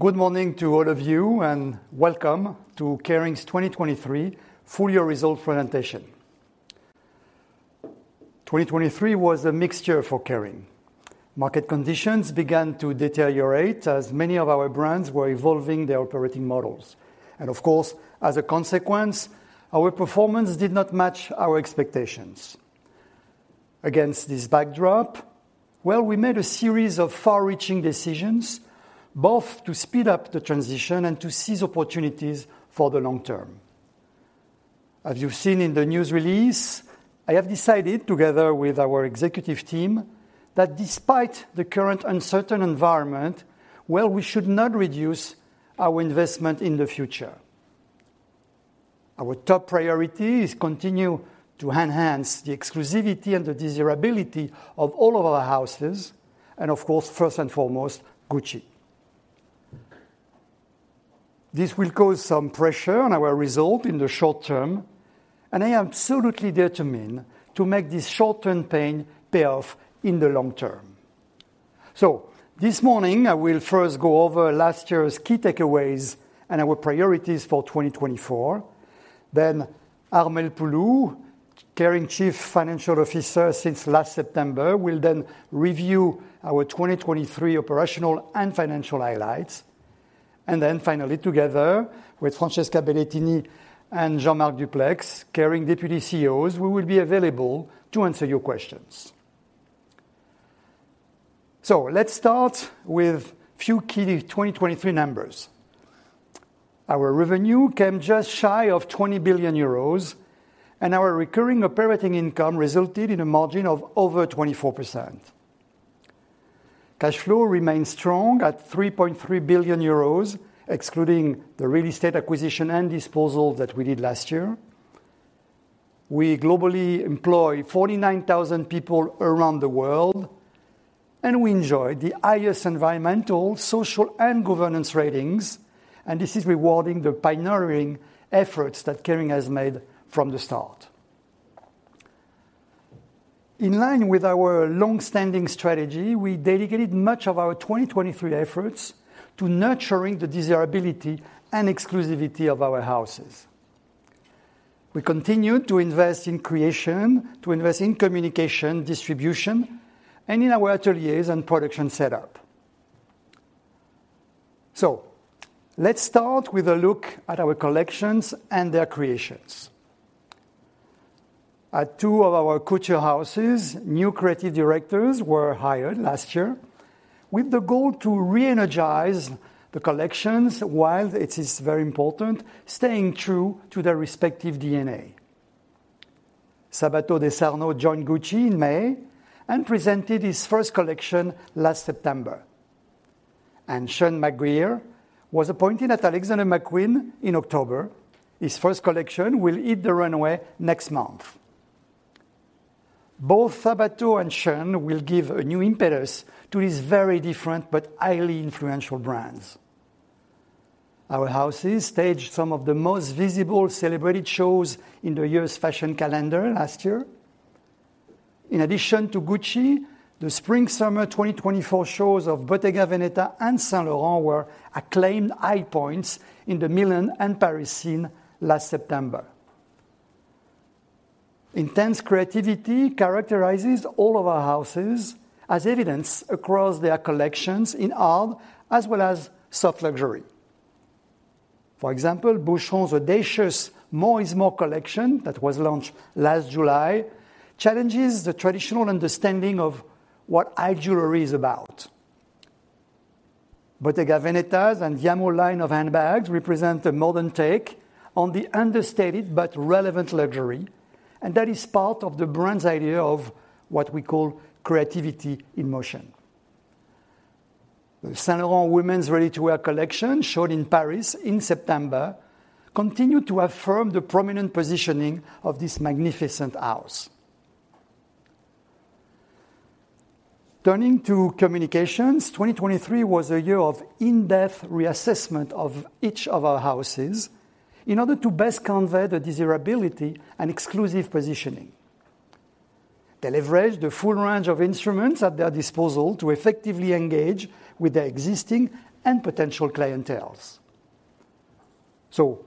Good morning to all of you, and welcome to Kering's 2023 full year result presentation. 2023 was a mixed year for Kering. Market conditions began to deteriorate as many of our brands were evolving their operating models, and of course, as a consequence, our performance did not match our expectations. Against this backdrop, well, we made a series of far-reaching decisions, both to speed up the transition and to seize opportunities for the long term. As you've seen in the news release, I have decided, together with our executive team, that despite the current uncertain environment, well, we should not reduce our investment in the future. Our top priority is continue to enhance the exclusivity and the desirability of all of our houses, and of course, first and foremost, Gucci. This will cause some pressure on our result in the short term, and I am absolutely determined to make this short-term pain pay off in the long term. So this morning, I will first go over last year's key takeaways and our priorities for 2024. Then Armelle Poulou, Kering Chief Financial Officer since last September, will then review our 2023 operational and financial highlights. And then finally, together with Francesca Bellettini and Jean-Marc Duplaix, Kering Deputy CEOs, we will be available to answer your questions. So let's start with few key 2023 numbers. Our revenue came just shy of 20 billion euros, and our recurring operating income resulted in a margin of over 24%. Cash flow remains strong at 3.3 billion euros, excluding the real estate acquisition and disposal that we did last year. We globally employ 49,000 people around the world, and we enjoy the highest environmental, social, and governance ratings, and this is rewarding the pioneering efforts that Kering has made from the start. In line with our long-standing strategy, we dedicated much of our 2023 efforts to nurturing the desirability and exclusivity of our houses. We continued to invest in creation, to invest in communication, distribution, and in our ateliers and production setup. So let's start with a look at our collections and their creations. At two of our couture houses, new creative directors were hired last year with the goal to re-energize the collections, while it is very important, staying true to their respective DNA. Sabato De Sarno joined Gucci in May and presented his first collection last September. And Seán McGirr was appointed at Alexander McQueen in October. His first collection will hit the runway next month. Both Sabato and Seán will give a new impetus to these very different but highly influential brands. Our houses staged some of the most visible, celebrated shows in the year's fashion calendar last year. In addition to Gucci, the spring/summer 2024 shows of Bottega Veneta and Saint Laurent were acclaimed high points in the Milan and Paris scene last September. Intense creativity characterizes all of our houses as evidenced across their collections in art as well as soft luxury. For example, Boucheron's audacious More is More collection that was launched last July challenges the traditional understanding of what high jewelry is about. Bottega Veneta's Andiamo line of handbags represent a modern take on the understated but relevant luxury, and that is part of the brand's idea of what we call creativity in motion. The Saint Laurent women's ready-to-wear collection, showed in Paris in September, continued to affirm the prominent positioning of this magnificent house. Turning to communications, 2023 was a year of in-depth reassessment of each of our houses in order to best convey the desirability and exclusive positioning. They leveraged the full range of instruments at their disposal to effectively engage with their existing and potential clienteles.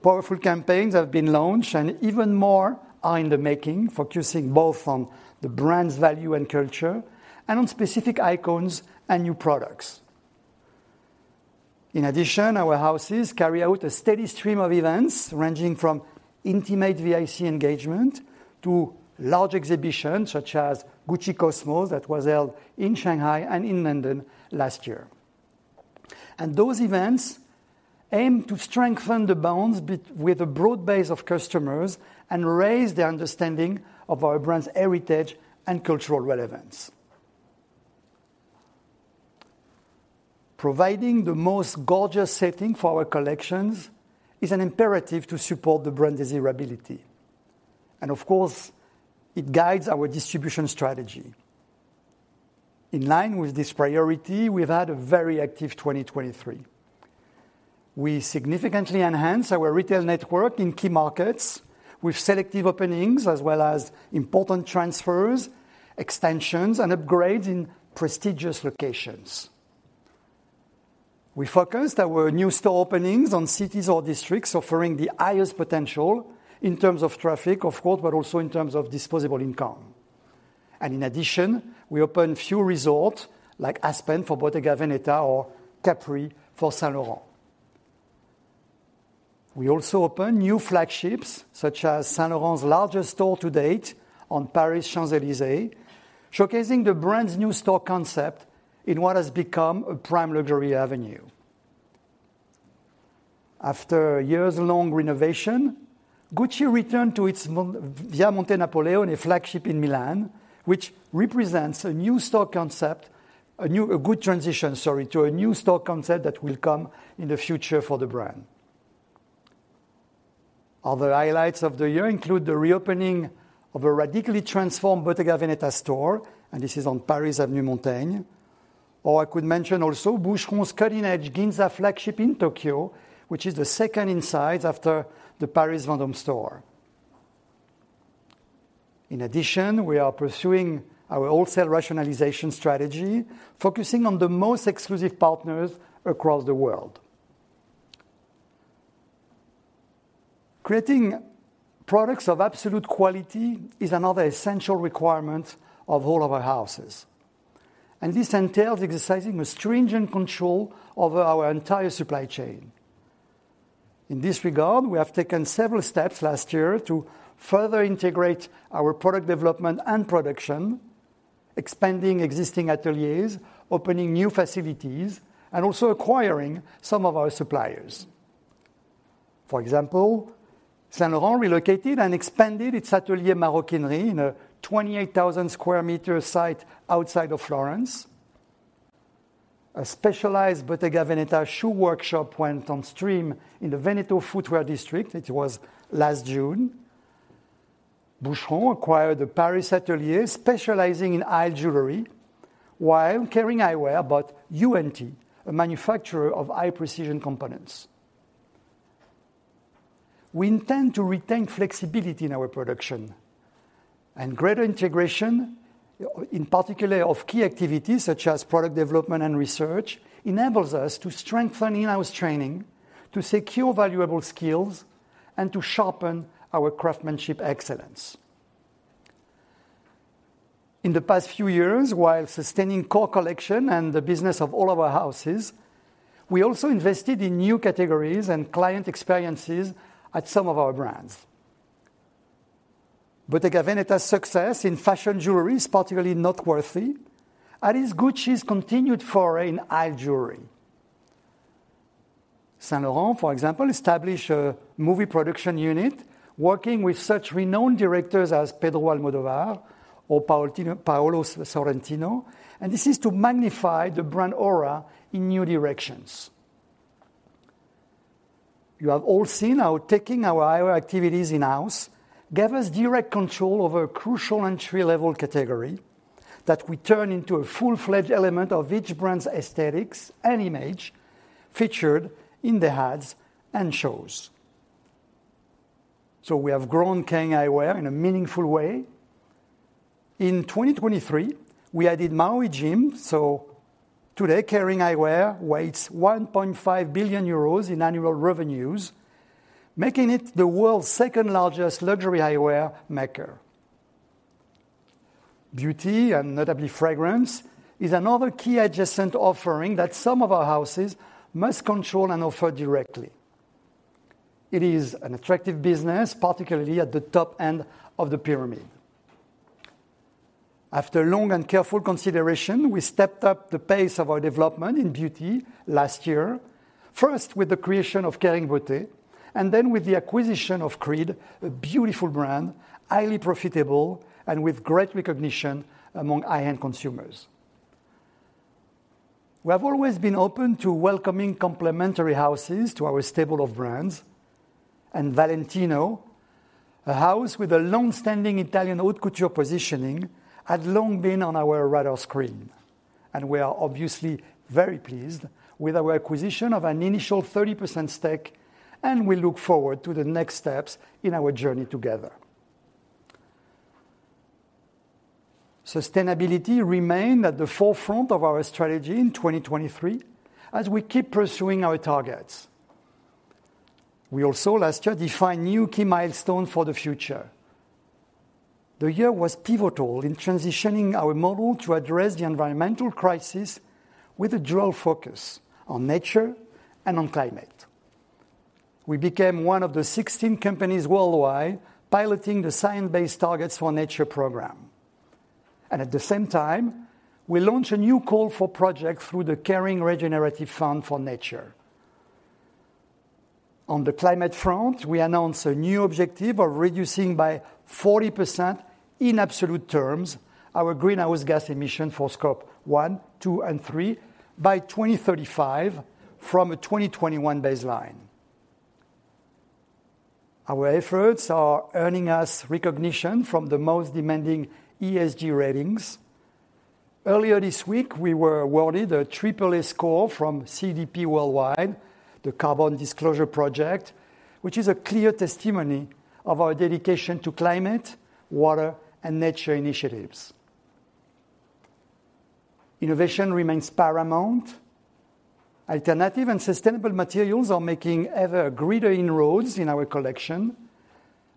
Powerful campaigns have been launched, and even more are in the making, focusing both on the brand's value and culture and on specific icons and new products. In addition, our houses carry out a steady stream of events, ranging from intimate VIC engagement to large exhibitions such as Gucci Cosmos, that was held in Shanghai and in London last year. Those events aim to strengthen the bonds with a broad base of customers and raise their understanding of our brand's heritage and cultural relevance. Providing the most gorgeous setting for our collections is an imperative to support the brand desirability, and of course, it guides our distribution strategy. In line with this priority, we've had a very active 2023. We significantly enhanced our retail network in key markets with selective openings as well as important transfers, extensions, and upgrades in prestigious locations. We focused our new store openings on cities or districts offering the highest potential in terms of traffic, of course, but also in terms of disposable income. In addition, we opened a few resorts, like Aspen for Bottega Veneta or Capri for Saint Laurent. We also opened new flagships, such as Saint Laurent's largest store to date on Paris' Champs-Élysées, showcasing the brand's new store concept in what has become a prime luxury avenue. After years of long renovation, Gucci returned to its Via Monte Napoleone flagship in Milan, which represents a new store concept, a good transition to a new store concept that will come in the future for the brand. Other highlights of the year include the reopening of a radically transformed Bottega Veneta store, and this is on Paris, Avenue Montaigne. Or I could mention also Boucheron's cutting-edge Ginza flagship in Tokyo, which is the second in size after the Paris Vendôme store. In addition, we are pursuing our wholesale rationalization strategy, focusing on the most exclusive partners across the world. Creating products of absolute quality is another essential requirement of all of our houses, and this entails exercising a stringent control over our entire supply chain. In this regard, we have taken several steps last year to further integrate our product development and production, expanding existing ateliers, opening new facilities, and also acquiring some of our suppliers. For example, Saint Laurent relocated and expanded its atelier maroquinerie in a 28,000 square meter site outside of Florence. A specialized Bottega Veneta shoe workshop went on stream in the Veneto footwear district. It was last June. Boucheron acquired a Paris atelier specializing in high jewelry, while Kering Eyewear bought UNT, a manufacturer of high-precision components. We intend to retain flexibility in our production, and greater integration in particular of key activities such as product development and research, enables us to strengthen in-house training, to secure valuable skills, and to sharpen our craftsmanship excellence. In the past few years, while sustaining core collection and the business of all of our houses, we also invested in new categories and client experiences at some of our brands. Bottega Veneta's success in fashion jewelry is particularly noteworthy, and is Gucci's continued foray in high jewelry. Saint Laurent, for example, established a movie production unit working with such renowned directors as Pedro Almodóvar or Paolo, Paolo Sorrentino, and this is to magnify the brand aura in new directions. You have all seen how taking our eyewear activities in-house gave us direct control over a crucial entry-level category that we turn into a full-fledged element of each brand's aesthetics and image featured in the ads and shows. So we have grown Kering Eyewear in a meaningful way. In 2023, we added Maui Jim, so today, Kering Eyewear weighs 1.5 billion euros in annual revenues, making it the world's second-largest luxury eyewear maker. Beauty, and notably fragrance, is another key adjacent offering that some of our houses must control and offer directly. It is an attractive business, particularly at the top end of the pyramid. After long and careful consideration, we stepped up the pace of our development in beauty last year, first with the creation of Kering Beauté, and then with the acquisition of Creed, a beautiful brand, highly profitable, and with great recognition among high-end consumers. We have always been open to welcoming complementary houses to our stable of brands, and Valentino, a house with a long-standing Italian haute couture positioning, had long been on our radar screen. We are obviously very pleased with our acquisition of an initial 30% stake, and we look forward to the next steps in our journey together. Sustainability remained at the forefront of our strategy in 2023 as we keep pursuing our targets. We also last year defined new key milestones for the future. The year was pivotal in transitioning our model to address the environmental crisis with a dual focus on nature and on climate. We became one of the 16 companies worldwide piloting the Science-Based Targets for Nature program. At the same time, we launched a new call for projects through the Kering Regenerative Fund for Nature. On the climate front, we announced a new objective of reducing by 40%, in absolute terms, our greenhouse gas emission for Scope 1, 2, and 3 by 2035 from a 2021 baseline. Our efforts are earning us recognition from the most demanding ESG ratings. Earlier this week, we were awarded a AAA score from CDP Worldwide, the Carbon Disclosure Project, which is a clear testimony of our dedication to climate, water, and nature initiatives. Innovation remains paramount. Alternative and sustainable materials are making ever greater inroads in our collection,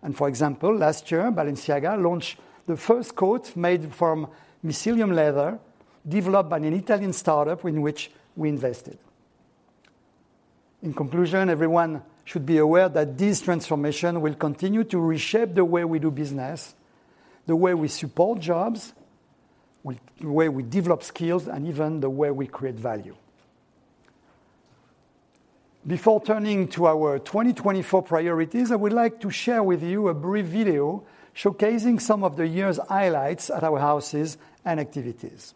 and for example, last year, Balenciaga launched the first coat made from mycelium leather, developed by an Italian startup in which we invested. In conclusion, everyone should be aware that this transformation will continue to reshape the way we do business, the way we support jobs, the way we develop skills, and even the way we create value. Before turning to our 2024 priorities, I would like to share with you a brief video showcasing some of the year's highlights at our houses and activities. ...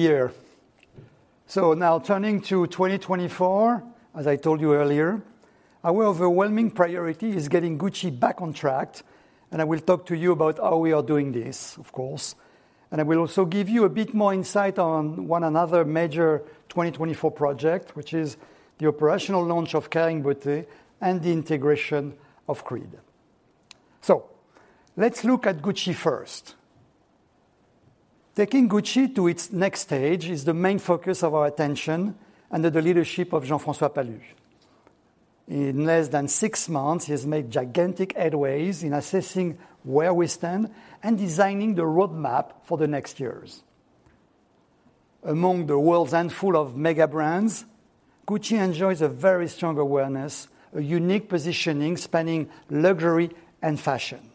busy year. Now turning to 2024, as I told you earlier, our overwhelming priority is getting Gucci back on track, and I will talk to you about how we are doing this, of course. I will also give you a bit more insight on one other major 2024 project, which is the operational launch of Kering Beauty and the integration of Creed. Let's look at Gucci first. Taking Gucci to its next stage is the main focus of our attention, under the leadership of Jean-François Palus. In less than six months, he has made gigantic headway in assessing where we stand and designing the roadmap for the next years. Among the world's handful of mega brands, Gucci enjoys a very strong awareness, a unique positioning, spanning luxury and fashion.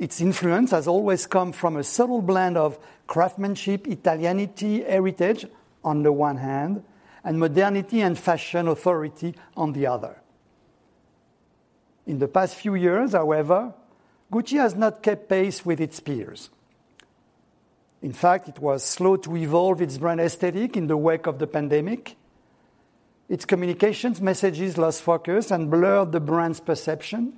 Its influence has always come from a subtle blend of craftsmanship, Italianity, heritage on the one hand, and modernity and fashion authority on the other. In the past few years, however, Gucci has not kept pace with its peers. In fact, it was slow to evolve its brand aesthetic in the wake of the pandemic. Its communications messages lost focus and blurred the brand's perception.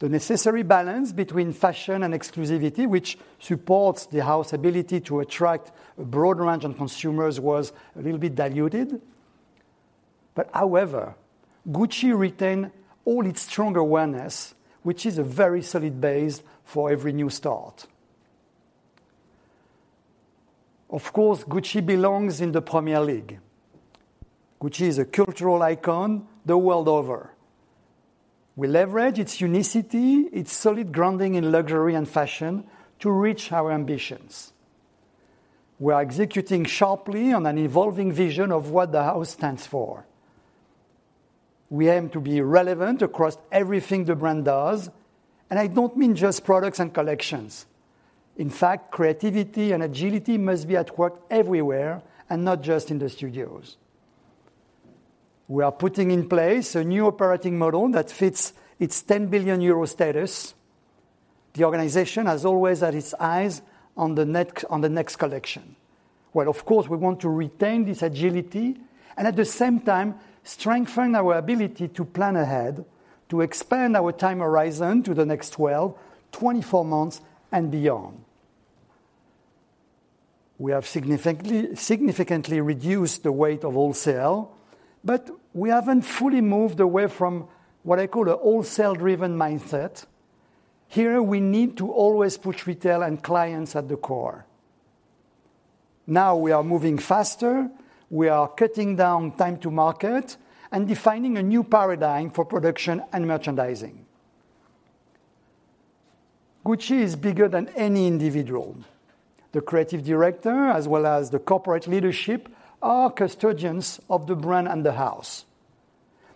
The necessary balance between fashion and exclusivity, which supports the house ability to attract a broad range of consumers, was a little bit diluted. However, Gucci retained all its strong awareness, which is a very solid base for every new start. Of course, Gucci belongs in the Premier League, which is a cultural icon the world over. We leverage its unicity, its solid grounding in luxury and fashion to reach our ambitions. We are executing sharply on an evolving vision of what the House stands for. We aim to be relevant across everything the brand does, and I don't mean just products and collections. In fact, creativity and agility must be at work everywhere and not just in the studios. We are putting in place a new operating model that fits its 10 billion euro status. The organization has always had its eyes on the next, on the next collection, where of course we want to retain this agility and at the same time strengthen our ability to plan ahead, to expand our time horizon to the next 12, 24 months, and beyond. We have significantly, significantly reduced the weight of wholesale, but we haven't fully moved away from what I call a wholesale-driven mindset. Here, we need to always put retail and clients at the core. Now, we are moving faster. We are cutting down time to market and defining a new paradigm for production and merchandising. Gucci is bigger than any individual. The creative director, as well as the corporate leadership, are custodians of the brand and the house.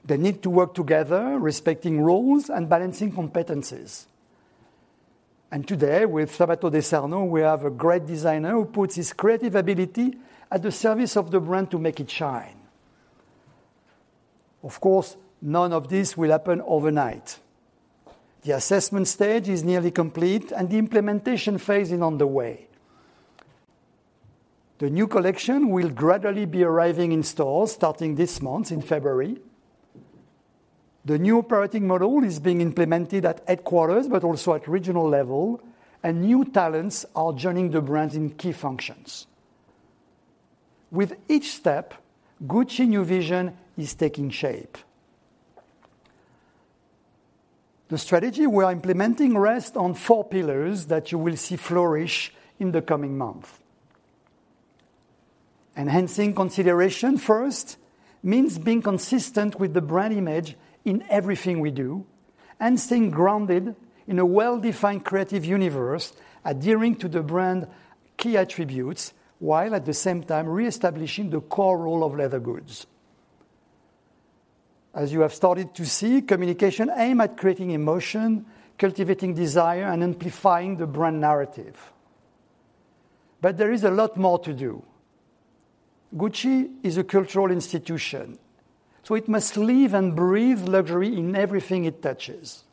They need to work together, respecting roles and balancing competencies. Today, with Sabato De Sarno, we have a great designer who puts his creative ability at the service of the brand to make it shine.... Of course, none of this will happen overnight. The assessment stage is nearly complete, and the implementation phase is underway. The new collection will gradually be arriving in stores starting this month, in February. The new operating model is being implemented at headquarters, but also at regional level, and new talents are joining the brand in key functions. With each step, Gucci new vision is taking shape. The strategy we are implementing rests on four pillars that you will see flourish in the coming months. Enhancing consideration first means being consistent with the brand image in everything we do, and staying grounded in a well-defined creative universe, adhering to the brand key attributes, while at the same time reestablishing the core role of leather goods. As you have started to see, communication aim at creating emotion, cultivating desire, and amplifying the brand narrative. But there is a lot more to do. Gucci is a cultural institution, so it must live and breathe luxury in everything it touches.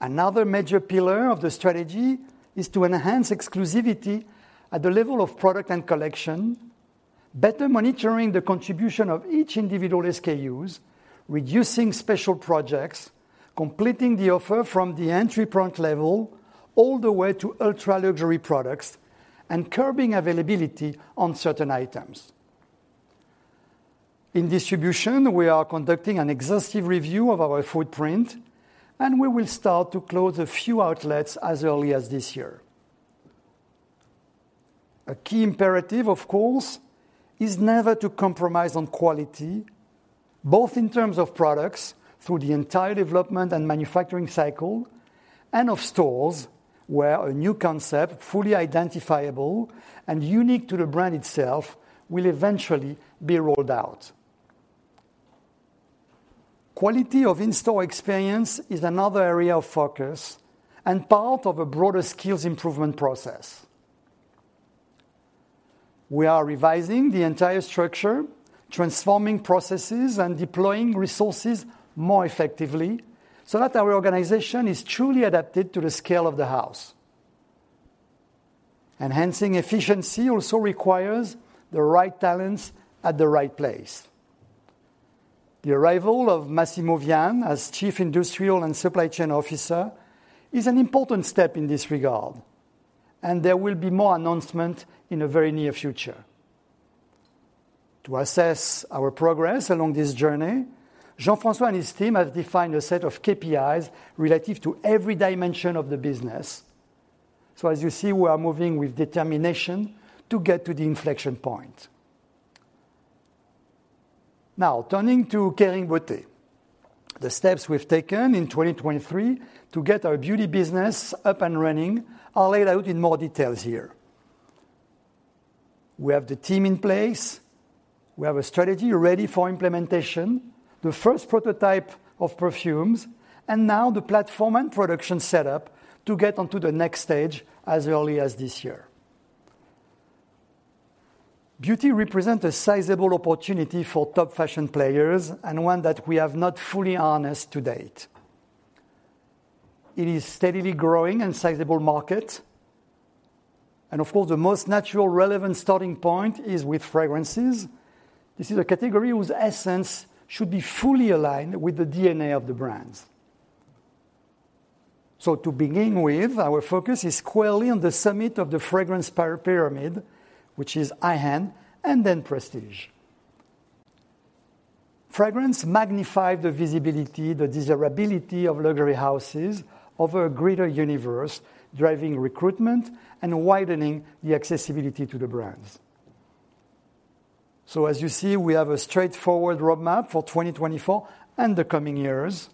Another major pillar of the strategy is to enhance exclusivity at the level of product and collection, better monitoring the contribution of each individual SKUs, reducing special projects, completing the offer from the entry point level all the way to ultra-luxury products, and curbing availability on certain items. In distribution, we are conducting an exhaustive review of our footprint, and we will start to close a few outlets as early as this year. A key imperative, of course, is never to compromise on quality, both in terms of products, through the entire development and manufacturing cycle, and of stores, where a new concept, fully identifiable and unique to the brand itself, will eventually be rolled out. Quality of in-store experience is another area of focus and part of a broader skills improvement process. We are revising the entire structure, transforming processes, and deploying resources more effectively, so that our organization is truly adapted to the scale of the house. Enhancing efficiency also requires the right talents at the right place. The arrival of Massimo Vian as Chief Industrial and Supply Chain Officer is an important step in this regard, and there will be more announcements in the very near future. To assess our progress along this journey, Jean-François and his team have defined a set of KPIs relative to every dimension of the business. So as you see, we are moving with determination to get to the inflection point. Now, turning to Kering Beauty. The steps we've taken in 2023 to get our beauty business up and running are laid out in more details here. We have the team in place, we have a strategy ready for implementation, the first prototype of perfumes, and now the platform and production setup to get onto the next stage as early as this year. Beauty represents a sizable opportunity for top fashion players and one that we have not fully harnessed to date. It is a steadily growing and sizable market, and of course, the most natural, relevant starting point is with fragrances. This is a category whose essence should be fully aligned with the DNA of the brands. So to begin with, our focus is squarely on the summit of the fragrance pyramid, which is high-end and then prestige. Fragrances magnify the visibility, the desirability of luxury houses over a greater universe, driving recruitment and widening the accessibility to the brands. So as you see, we have a straightforward roadmap for 2024 and the coming years.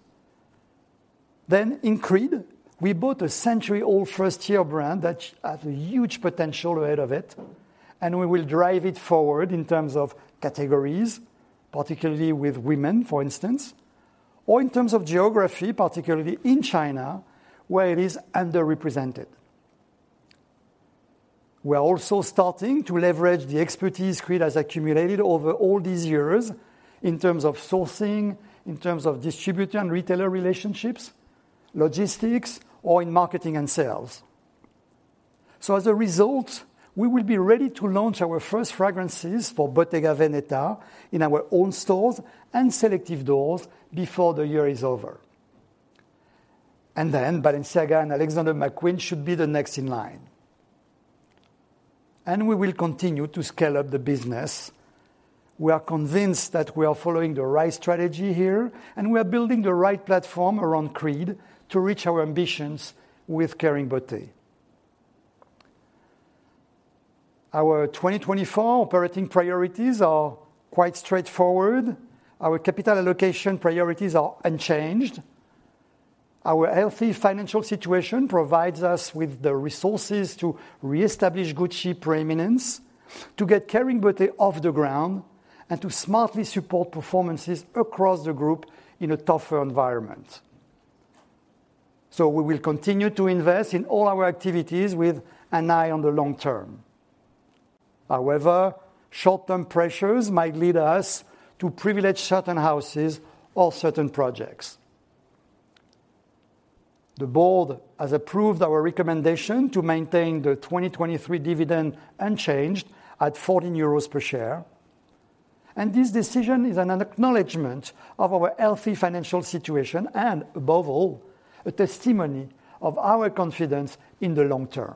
Then in Creed, we bought a century-old first-year brand that has a huge potential ahead of it, and we will drive it forward in terms of categories, particularly with women, for instance, or in terms of geography, particularly in China, where it is underrepresented. We are also starting to leverage the expertise Creed has accumulated over all these years in terms of sourcing, in terms of distributor and retailer relationships, logistics, or in marketing and sales. So as a result, we will be ready to launch our first fragrances for Bottega Veneta in our own stores and selective doors before the year is over. Then Balenciaga and Alexander McQueen should be the next in line. We will continue to scale up the business. We are convinced that we are following the right strategy here, and we are building the right platform around Creed to reach our ambitions with Kering Beauty. Our 2024 operating priorities are quite straightforward. Our capital allocation priorities are unchanged. Our healthy financial situation provides us with the resources to reestablish Gucci preeminence, to get Kering Beauty off the ground, and to smartly support performances across the group in a tougher environment. So we will continue to invest in all our activities with an eye on the long term. However, short-term pressures might lead us to privilege certain houses or certain projects. The board has approved our recommendation to maintain the 2023 dividend unchanged at 14 euros per share, and this decision is an acknowledgment of our healthy financial situation and, above all, a testimony of our confidence in the long term.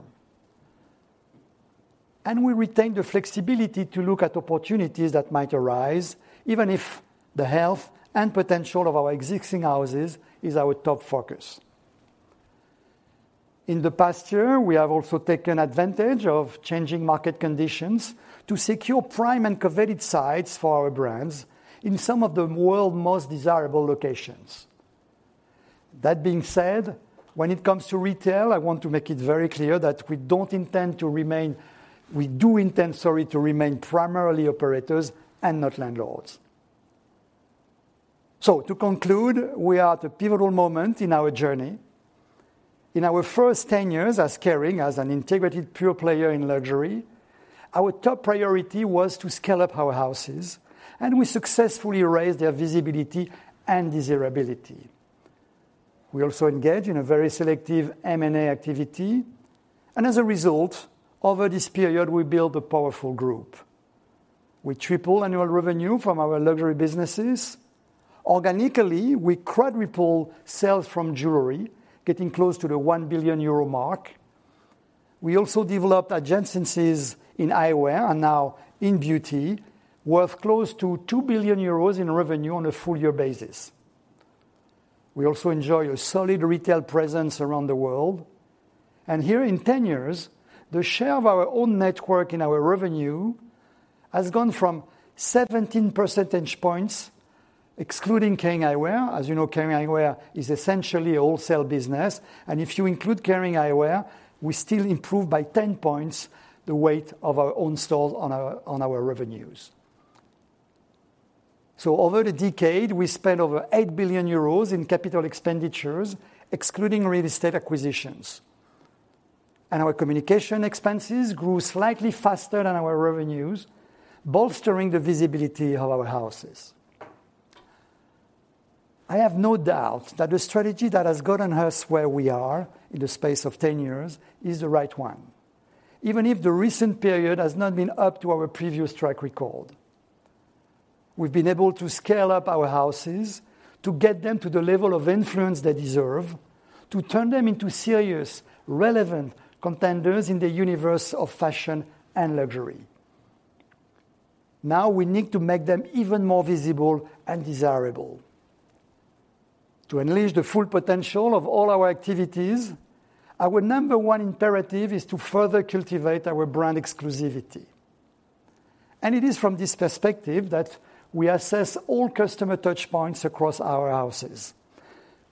We retain the flexibility to look at opportunities that might arise, even if the health and potential of our existing houses is our top focus. In the past year, we have also taken advantage of changing market conditions to secure prime and coveted sites for our brands in some of the world's most desirable locations. That being said, when it comes to retail, I want to make it very clear that we don't intend to remain - we do intend, sorry, to remain primarily operators and not landlords. To conclude, we are at a pivotal moment in our journey. In our first 10 years as Kering, as an integrated pure player in luxury, our top priority was to scale up our houses, and we successfully raised their visibility and desirability. We also engage in a very selective M&A activity, and as a result, over this period, we built a powerful group. We triple annual revenue from our luxury businesses. Organically, we quadruple sales from jewelry, getting close to the 1 billion euro mark. We also developed adjacencies in eyewear and now in beauty, worth close to 2 billion euros in revenue on a full year basis. We also enjoy a solid retail presence around the world, and here in 10 years, the share of our own network in our revenue has gone from 17 percentage points, excluding Kering Eyewear. As you know, Kering Eyewear is essentially a wholesale business, and if you include Kering Eyewear, we still improve by 10 points the weight of our own stores on our, on our revenues. Over the decade, we spent over 8 billion euros in capital expenditures, excluding real estate acquisitions, and our communication expenses grew slightly faster than our revenues, bolstering the visibility of our houses. I have no doubt that the strategy that has gotten us where we are in the space of 10 years is the right one, even if the recent period has not been up to our previous track record. We've been able to scale up our houses to get them to the level of influence they deserve, to turn them into serious, relevant contenders in the universe of fashion and luxury. Now, we need to make them even more visible and desirable. To unleash the full potential of all our activities, our number 1 imperative is to further cultivate our brand exclusivity, and it is from this perspective that we assess all customer touch points across our houses,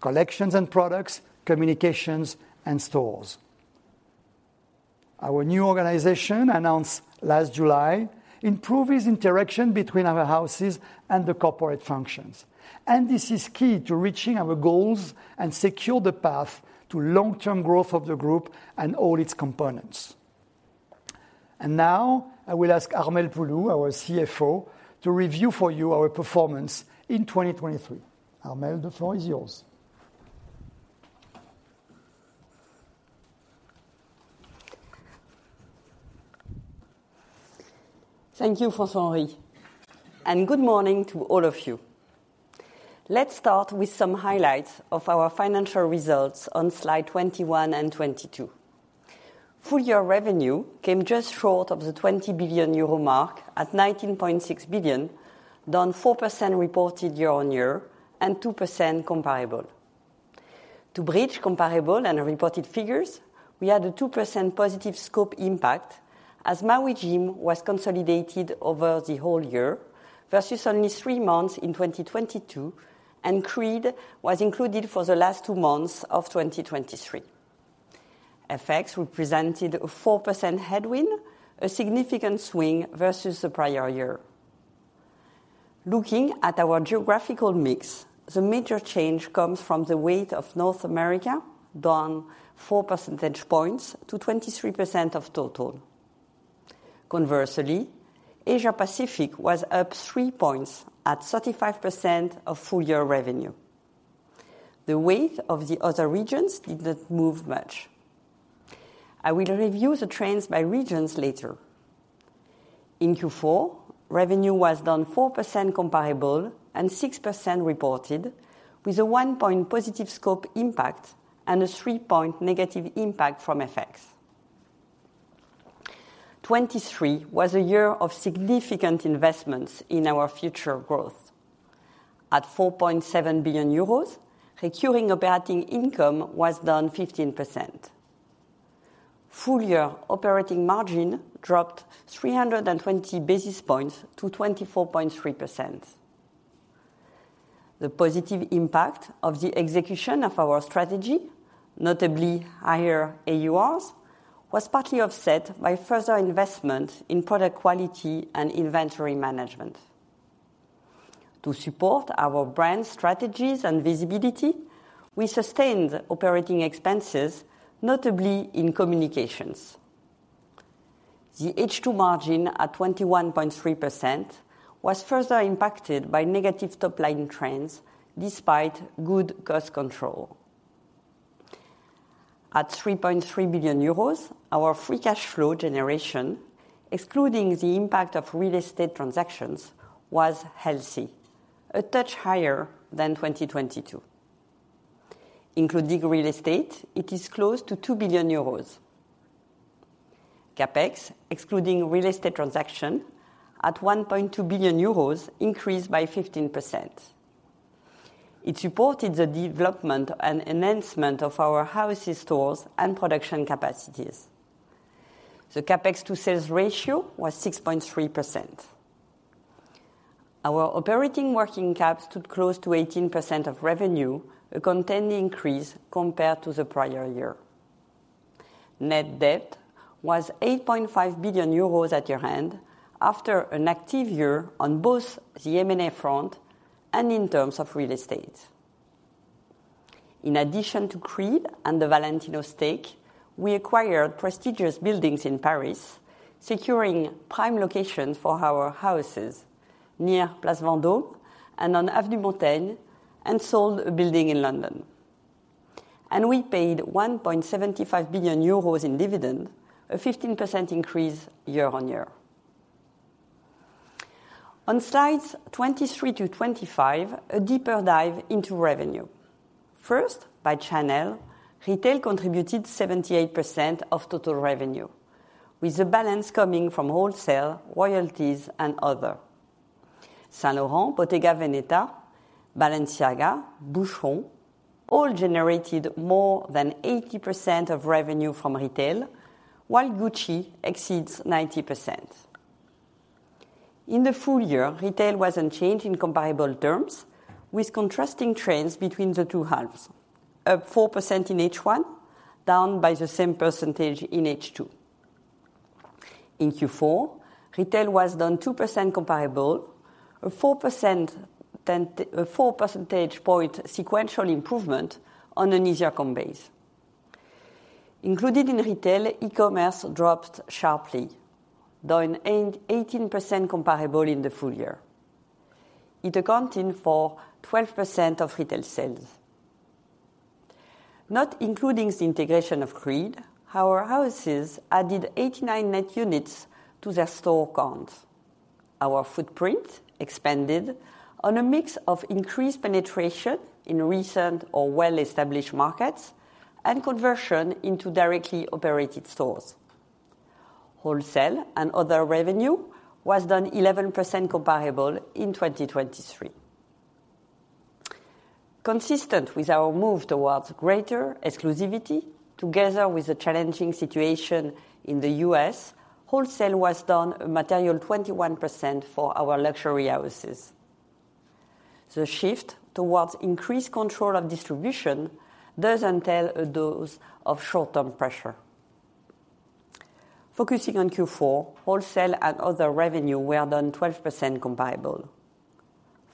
collections and products, communications, and stores. Our new organization, announced last July, improves interaction between our houses and the corporate functions, and this is key to reaching our goals and secure the path to long-term growth of the group and all its components. Now I will ask Armelle Poulou, our CFO, to review for you our performance in 2023. Armelle, the floor is yours. Thank you, François-Henri, and good morning to all of you. Let's start with some highlights of our financial results on slide 21 and 22. Full year revenue came just short of the 20 billion euro mark at 19.6 billion, down 4% reported year on year and 2% comparable. To bridge comparable and reported figures, we had a 2% positive scope impact, as Maui Jim was consolidated over the whole year versus only three months in 2022, and Creed was included for the last two months of 2023. FX represented a 4% headwind, a significant swing versus the prior year. Looking at our geographical mix, the major change comes from the weight of North America, down four percentage points to 23% of total. Conversely, Asia Pacific was up three points at 35% of full year revenue. The weight of the other regions did not move much. I will review the trends by regions later. In Q4, revenue was down 4% comparable and 6% reported, with a 1-point positive scope impact and a 3-point negative impact from FX. 2023 was a year of significant investments in our future growth. At 4.7 billion euros, recurring operating income was down 15%. Full year operating margin dropped 320 basis points to 24.3%. The positive impact of the execution of our strategy, notably higher AURs, was partly offset by further investment in product quality and inventory management... to support our brand strategies and visibility, we sustained operating expenses, notably in communications. The H2 margin at 21.3% was further impacted by negative top line trends despite good cost control. At 3.3 billion euros, our free cash flow generation, excluding the impact of real estate transactions, was healthy, a touch higher than 2022. Including real estate, it is close to 2 billion euros. CapEx, excluding real estate transaction, at 1.2 billion euros, increased by 15%. It supported the development and enhancement of our houses, stores, and production capacities. The CapEx to sales ratio was 6.3%. Our operating working cap stood close to 18% of revenue, a contained increase compared to the prior year. Net debt was 8.5 billion euros at year-end, after an active year on both the M&A front and in terms of real estate. In addition to Creed and the Valentino stake, we acquired prestigious buildings in Paris, securing prime locations for our houses near Place Vendôme and on Avenue Montaigne, and sold a building in London. We paid 1.75 billion euros in dividend, a 15% increase year-on-year. On slides 23-25, a deeper dive into revenue. First, by channel, retail contributed 78% of total revenue, with the balance coming from wholesale, royalties, and other. Saint Laurent, Bottega Veneta, Balenciaga, Boucheron, all generated more than 80% of revenue from retail, while Gucci exceeds 90%. In the full year, retail was unchanged in comparable terms, with contrasting trends between the two halves. Up 4% in H1, down by the same percentage in H2. In Q4, retail was down 2% comparable, a 4%—a 4 percentage point sequential improvement on an easier comp base. Included in retail, e-commerce dropped sharply, down 8, 18% comparable in the full year. It accounted for 12% of retail sales. Not including the integration of Creed, our houses added 89 net units to their store count. Our footprint expanded on a mix of increased penetration in recent or well-established markets, and conversion into directly operated stores. Wholesale and other revenue was down 11% comparable in 2023. Consistent with our move towards greater exclusivity, together with the challenging situation in the U.S., wholesale was down a material 21% for our luxury houses. The shift towards increased control of distribution does entail a dose of short-term pressure. Focusing on Q4, wholesale and other revenue were down 12% comparable.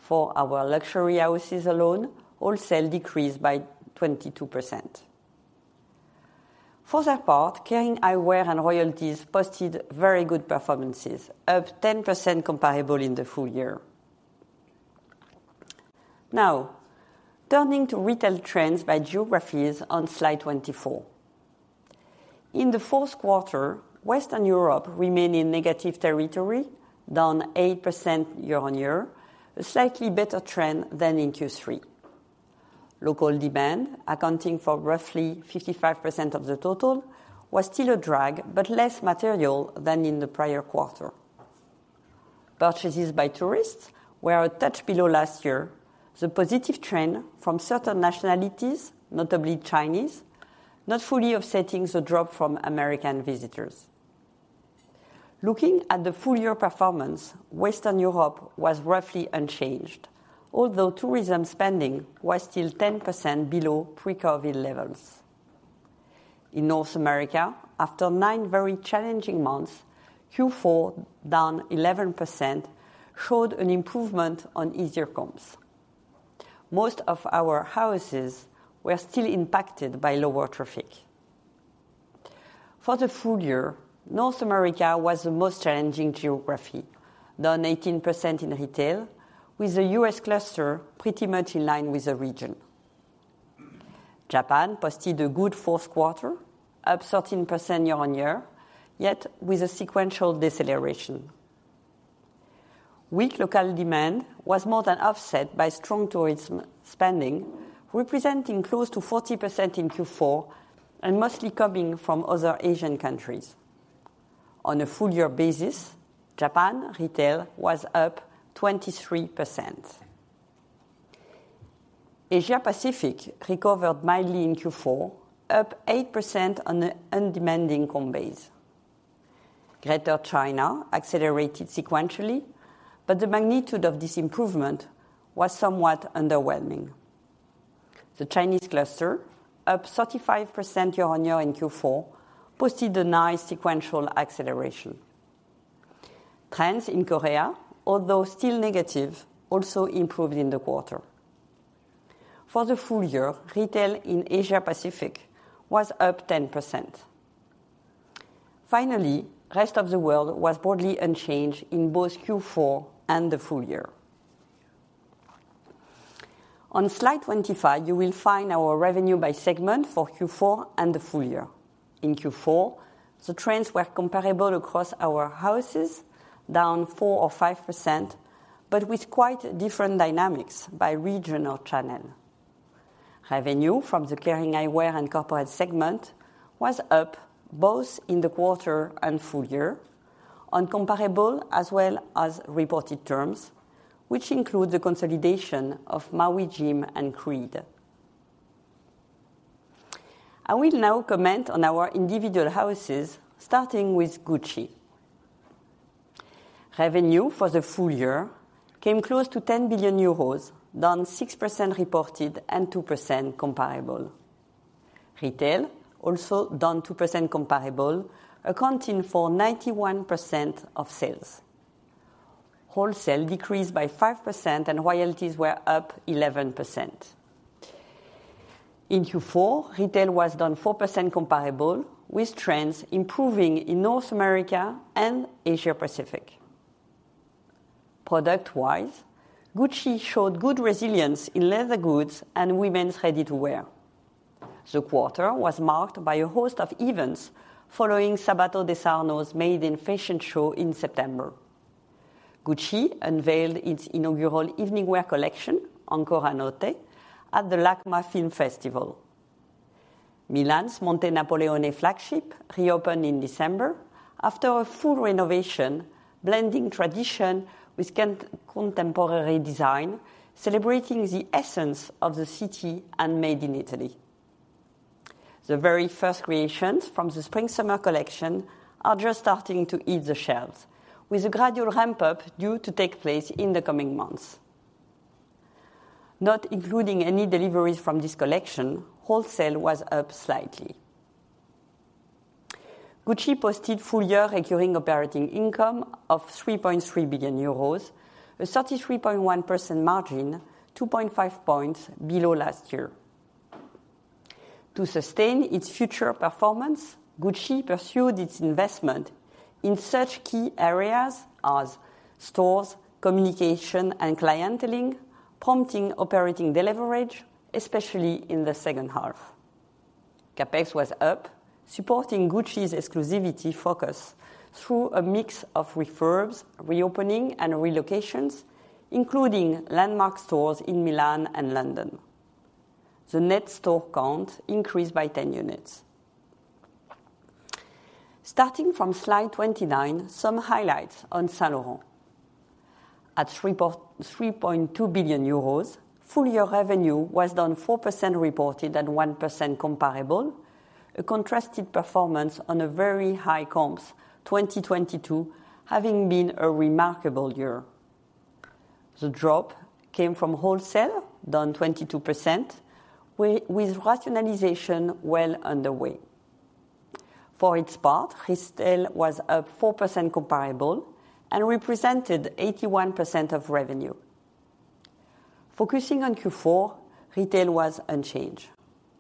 For our luxury houses alone, wholesale decreased by 22%. For their part, Kering Eyewear and royalties posted very good performances, up 10% comparable in the full year. Now, turning to retail trends by geographies on slide 24. In the fourth quarter, Western Europe remained in negative territory, down 8% year-on-year, a slightly better trend than in Q3. Local demand, accounting for roughly 55% of the total, was still a drag, but less material than in the prior quarter. Purchases by tourists were a touch below last year. The positive trend from certain nationalities, notably Chinese, not fully offsetting the drop from American visitors. Looking at the full year performance, Western Europe was roughly unchanged, although tourism spending was still 10% below pre-COVID levels. In North America, after 9 very challenging months, Q4, down 11%, showed an improvement on easier comps. Most of our houses were still impacted by lower traffic. For the full year, North America was the most challenging geography, down 18% in retail, with the U.S. cluster pretty much in line with the region. Japan posted a good fourth quarter, up 13% year-on-year, yet with a sequential deceleration. Weak local demand was more than offset by strong tourism spending, representing close to 40% in Q4 and mostly coming from other Asian countries. On a full year basis, Japan retail was up 23%. Asia Pacific recovered mildly in Q4, up 8% on an undemanding comp base. Greater China accelerated sequentially, but the magnitude of this improvement was somewhat underwhelming.... The Chinese cluster, up 35% year-on-year in Q4, posted a nice sequential acceleration. Trends in Korea, although still negative, also improved in the quarter. For the full year, retail in Asia Pacific was up 10%. Finally, rest of the world was broadly unchanged in both Q4 and the full year. On slide 25, you will find our revenue by segment for Q4 and the full year. In Q4, the trends were comparable across our houses, down 4%-5%, but with quite different dynamics by regional channel. Revenue from the Kering Eyewear and Corporate segment was up both in the quarter and full year on comparable as well as reported terms, which include the consolidation of Maui Jim and Creed. I will now comment on our individual houses, starting with Gucci. Revenue for the full year came close to 10 billion euros, down 6% reported and 2% comparable. Retail also down 2% comparable, accounting for 91% of sales. Wholesale decreased by 5%, and royalties were up 11%. In Q4, retail was down 4% comparable, with trends improving in North America and Asia Pacific. Product-wise, Gucci showed good resilience in leather goods and women's ready-to-wear. The quarter was marked by a host of events following Sabato De Sarno's maiden fashion show in September. Gucci unveiled its inaugural evening wear collection, Ancora Notte, at the LACMA Film Festival. Milan's Monte Napoleone flagship reopened in December after a full renovation, blending tradition with contemporary design, celebrating the essence of the city and made in Italy. The very first creations from the spring/summer collection are just starting to hit the shelves, with a gradual ramp-up due to take place in the coming months. Not including any deliveries from this collection, wholesale was up slightly. Gucci posted full-year recurring operating income of 3.3 billion euros, a 33.1% margin, 2.5 points below last year. To sustain its future performance, Gucci pursued its investment in such key areas as stores, communication, and clienteling, prompting operating deleverage, especially in the second half. CapEx was up, supporting Gucci's exclusivity focus through a mix of refurbs, reopening, and relocations, including landmark stores in Milan and London. The net store count increased by 10 units. Starting from slide 29, some highlights on Saint Laurent. At 3.2 billion euros, full year revenue was down 4% reported and 1% comparable, a contrasted performance on a very high comps, 2022 having been a remarkable year. The drop came from wholesale, down 22%, with rationalization well underway. For its part, retail was up 4% comparable and represented 81% of revenue. Focusing on Q4, retail was unchanged.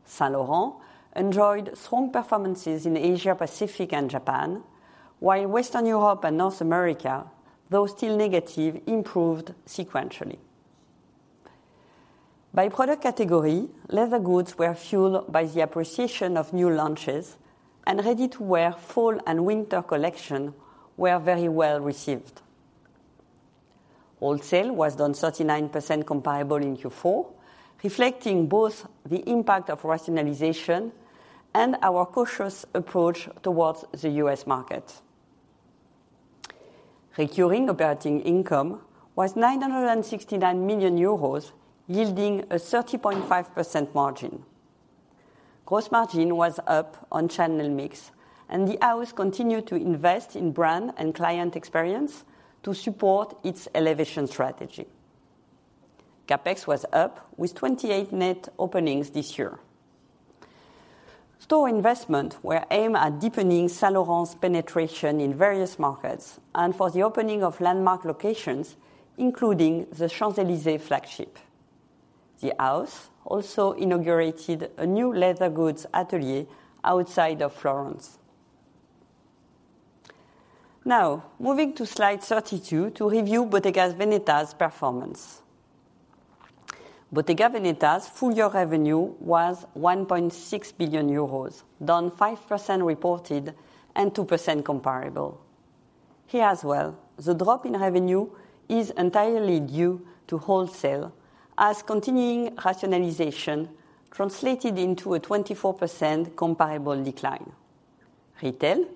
Saint Laurent enjoyed strong performances in Asia, Pacific, and Japan, while Western Europe and North America, though still negative, improved sequentially. By product category, leather goods were fueled by the appreciation of new launches, and ready-to-wear fall and winter collection were very well received. Wholesale was down 39% comparable in Q4, reflecting both the impact of rationalization and our cautious approach towards the U.S. market. Recurring operating income was 969 million euros, yielding a 30.5% margin. Gross margin was up on channel mix, and the house continued to invest in brand and client experience to support its elevation strategy. CapEx was up with 28 net openings this year. Store investments were aimed at deepening Saint Laurent's penetration in various markets and for the opening of landmark locations, including the Champs-Élysées flagship. The house also inaugurated a new leather goods atelier outside of Florence. Now, moving to slide 32 to review Bottega Veneta's performance. Bottega Veneta's full-year revenue was 1.6 billion euros, down 5% reported and 2% comparable. Here as well, the drop in revenue is entirely due to wholesale, as continuing rationalization translated into a 24% comparable decline. Retail,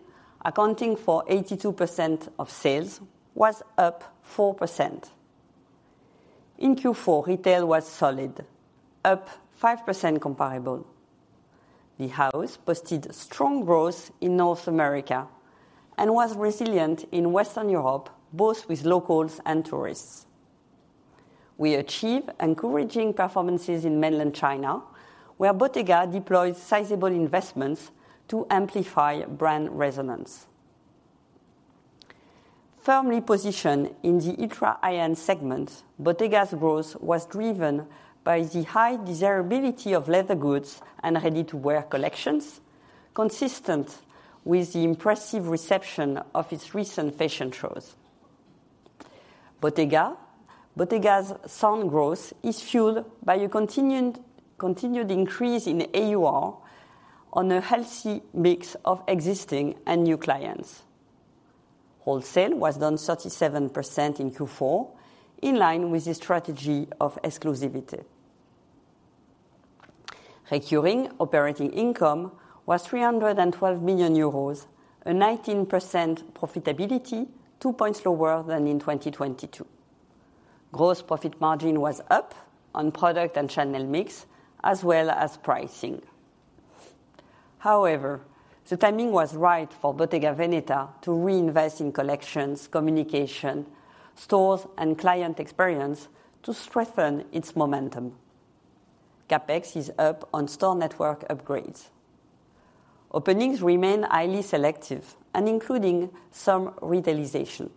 accounting for 82% of sales, was up 4%. In Q4, retail was solid, up 5% comparable.... The house posted strong growth in North America and was resilient in Western Europe, both with locals and tourists. We achieved encouraging performances in Mainland China, where Bottega deployed sizable investments to amplify brand resonance. Firmly positioned in the ultra high-end segment, Bottega's growth was driven by the high desirability of leather goods and ready-to-wear collections, consistent with the impressive reception of its recent fashion shows. Bottega's sound growth is fueled by a continued increase in AUR on a healthy mix of existing and new clients. Wholesale was down 37% in Q4, in line with the strategy of exclusivity. Recurring operating income was 312 million euros, a 19% profitability, two points lower than in 2022. Gross profit margin was up on product and channel mix, as well as pricing. However, the timing was right for Bottega Veneta to reinvest in collections, communication, stores, and client experience to strengthen its momentum. CapEx is up on store network upgrades. Openings remain highly selective and including some retailization.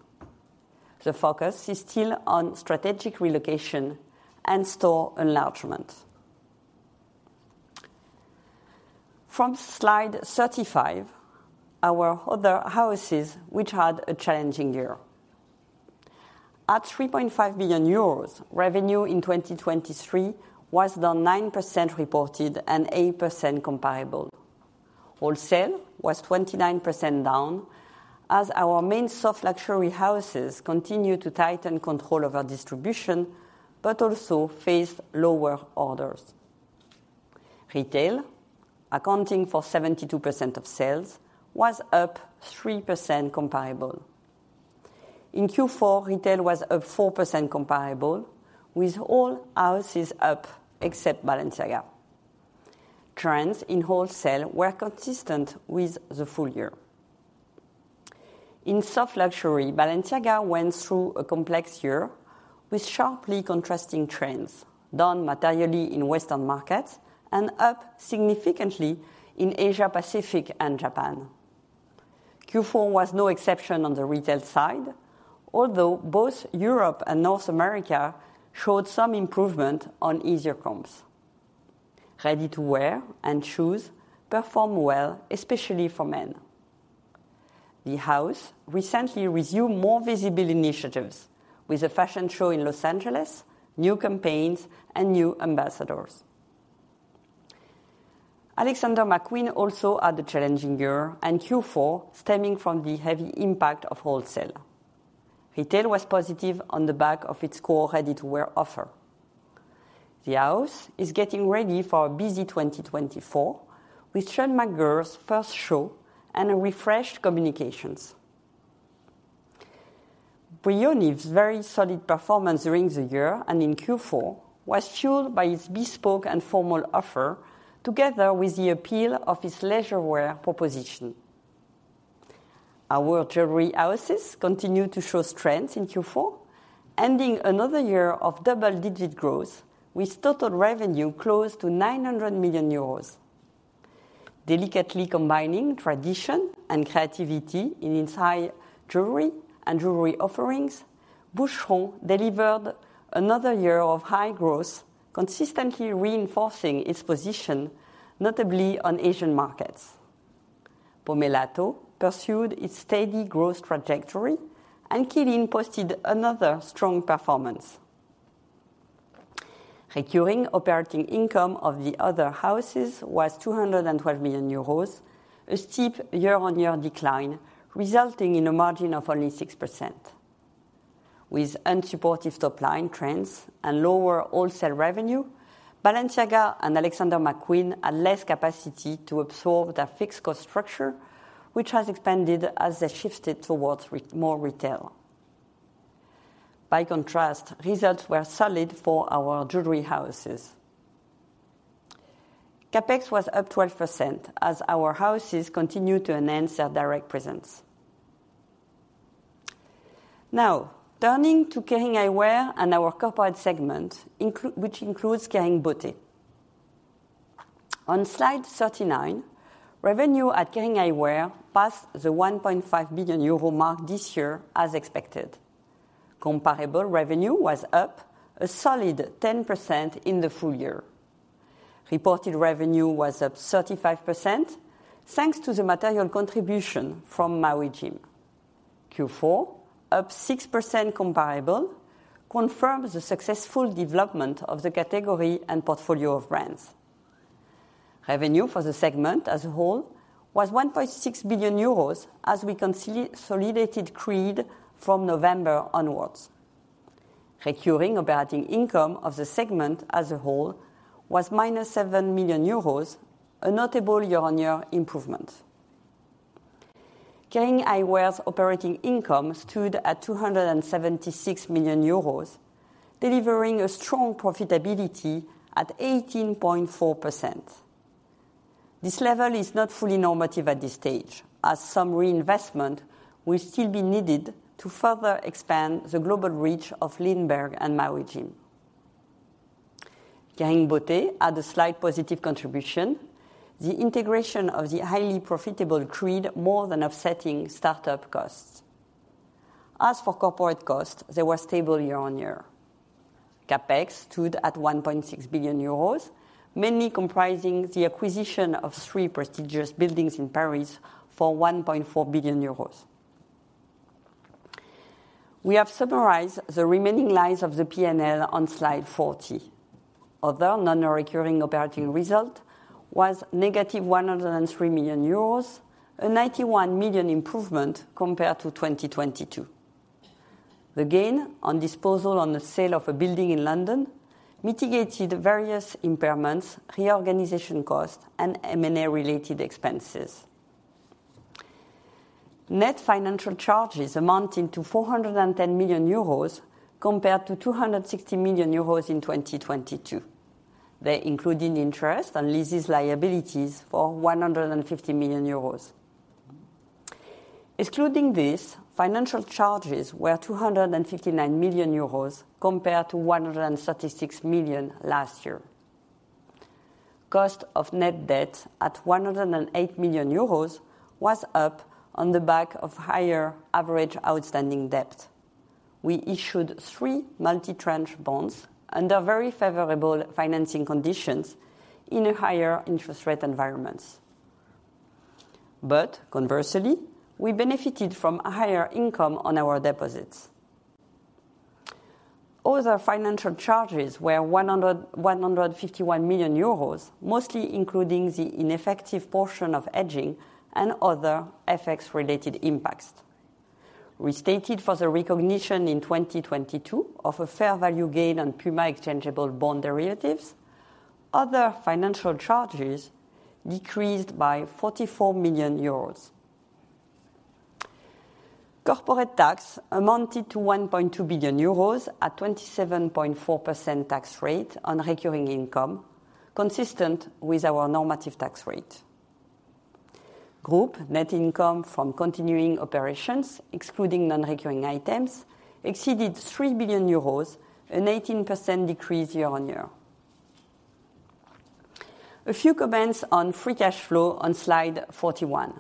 The focus is still on strategic relocation and store enlargement. From slide 35, our other houses, which had a challenging year. At 3.5 billion euros, revenue in 2023 was down 9% reported and 8% comparable. Wholesale was 29% down, as our main soft luxury houses continued to tighten control over distribution, but also faced lower orders. Retail, accounting for 72% of sales, was up 3% comparable. In Q4, retail was up 4% comparable, with all houses up except Balenciaga. Trends in wholesale were consistent with the full year. In soft luxury, Balenciaga went through a complex year with sharply contrasting trends, down materially in Western markets and up significantly in Asia-Pacific and Japan. Q4 was no exception on the retail side, although both Europe and North America showed some improvement on easier comps. Ready-to-wear and shoes perform well, especially for men. The house recently resumed more visible initiatives with a fashion show in Los Angeles, new campaigns, and new ambassadors. Alexander McQueen also had a challenging year and Q4 stemming from the heavy impact of wholesale. Retail was positive on the back of its core ready-to-wear offer. The house is getting ready for a busy 2024, with Seán McGirr's first show and a refreshed communications. Brioni's very solid performance during the year and in Q4 was fueled by its bespoke and formal offer, together with the appeal of its leisurewear proposition. Our jewelry houses continued to show strength in Q4, ending another year of double-digit growth, with total revenue close to 900 million euros. Delicately combining tradition and creativity in its high jewelry and jewelry offerings, Boucheron delivered another year of high growth, consistently reinforcing its position, notably on Asian markets. Pomellato pursued its steady growth trajectory, and Qeelin posted another strong performance. Recurring operating income of the other houses was 212 million euros, a steep year-on-year decline, resulting in a margin of only 6%. With unsupportive top line trends and lower wholesale revenue, Balenciaga and Alexander McQueen had less capacity to absorb their fixed cost structure, which has expanded as they shifted towards more retail. By contrast, results were solid for our jewelry houses. CapEx was up 12%, as our houses continued to enhance their direct presence. Now, turning to Kering Eyewear and our corporate segment, which includes Kering Beauté. On slide 39, revenue at Kering Eyewear passed the 1.5 billion euro mark this year, as expected. Comparable revenue was up a solid 10% in the full year. Reported revenue was up 35%, thanks to the material contribution from Maui Jim. Q4, up 6% comparable, confirms the successful development of the category and portfolio of brands. Revenue for the segment as a whole was 1.6 billion euros, as we consolidated Creed from November onwards. Recurring operating income of the segment as a whole was -7 million euros, a notable year-on-year improvement... Kering Eyewear's operating income stood at 276 million euros, delivering a strong profitability at 18.4%. This level is not fully normative at this stage, as some reinvestment will still be needed to further expand the global reach of Lindberg and Maui Jim. Kering Beauté had a slight positive contribution, the integration of the highly profitable Creed more than offsetting start-up costs. As for corporate costs, they were stable year-on-year. CapEx stood at 1.6 billion euros, mainly comprising the acquisition of three prestigious buildings in Paris for 1.4 billion euros. We have summarized the remaining lines of the P&L on slide 40. Other non-recurring operating result was negative 103 million euros, a 91 million improvement compared to 2022. The gain on disposal on the sale of a building in London mitigated various impairments, reorganization costs, and M&A-related expenses. Net financial charges amounting to 410 million euros compared to 260 million euros in 2022. They included interest and leases liabilities for 150 million euros. Excluding this, financial charges were 259 million euros compared to 136 million last year. Cost of net debt at 108 million euros was up on the back of higher average outstanding debt. We issued three multi-tranche bonds under very favorable financing conditions in a higher interest rate environments. But conversely, we benefited from higher income on our deposits. Other financial charges were 151 million euros, mostly including the ineffective portion of hedging and other FX-related impacts. We stated for the recognition in 2022 of a fair value gain on Puma exchangeable bond derivatives, other financial charges decreased by 44 million euros. Corporate tax amounted to 1.2 billion euros at 27.4% tax rate on recurring income, consistent with our normative tax rate. Group net income from continuing operations, excluding non-recurring items, exceeded 3 billion euros, an 18% decrease year-on-year. A few comments on free cash flow on slide 41.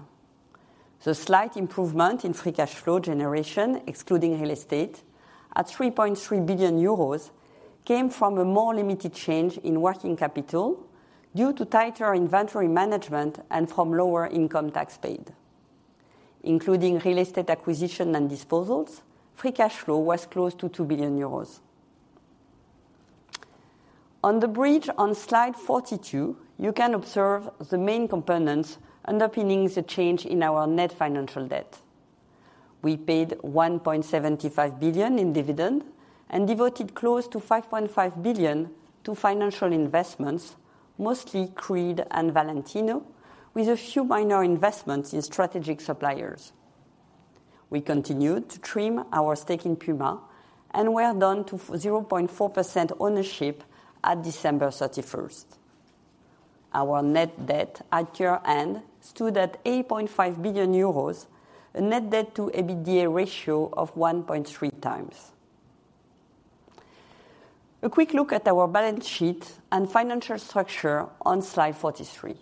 The slight improvement in free cash flow generation, excluding real estate, at 3.3 billion euros, came from a more limited change in working capital due to tighter inventory management and from lower income tax paid. Including real estate acquisition and disposals, free cash flow was close to 2 billion euros. On the bridge on slide 42, you can observe the main components underpinning the change in our net financial debt. We paid 1.75 billion in dividend and devoted close to 5.5 billion to financial investments, mostly Creed and Valentino, with a few minor investments in strategic suppliers. We continued to trim our stake in Puma and we are down to from 0.4% ownership at December 31. Our net debt at year-end stood at 8.5 billion euros, a net debt to EBITDA ratio of 1.3x. A quick look at our balance sheet and financial structure on slide 43.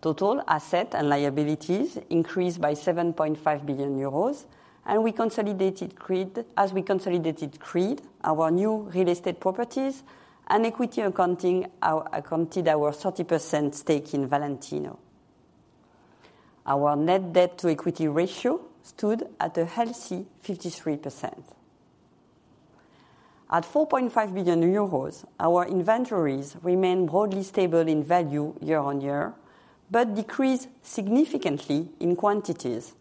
Total assets and liabilities increased by 7.5 billion euros, and we consolidated Creed, our new real estate properties, and equity accounting for our 30% stake in Valentino. Our net debt-to-equity ratio stood at a healthy 53%. At 4.5 billion euros, our inventories remain broadly stable in value year-on-year, but decreased significantly in quantities,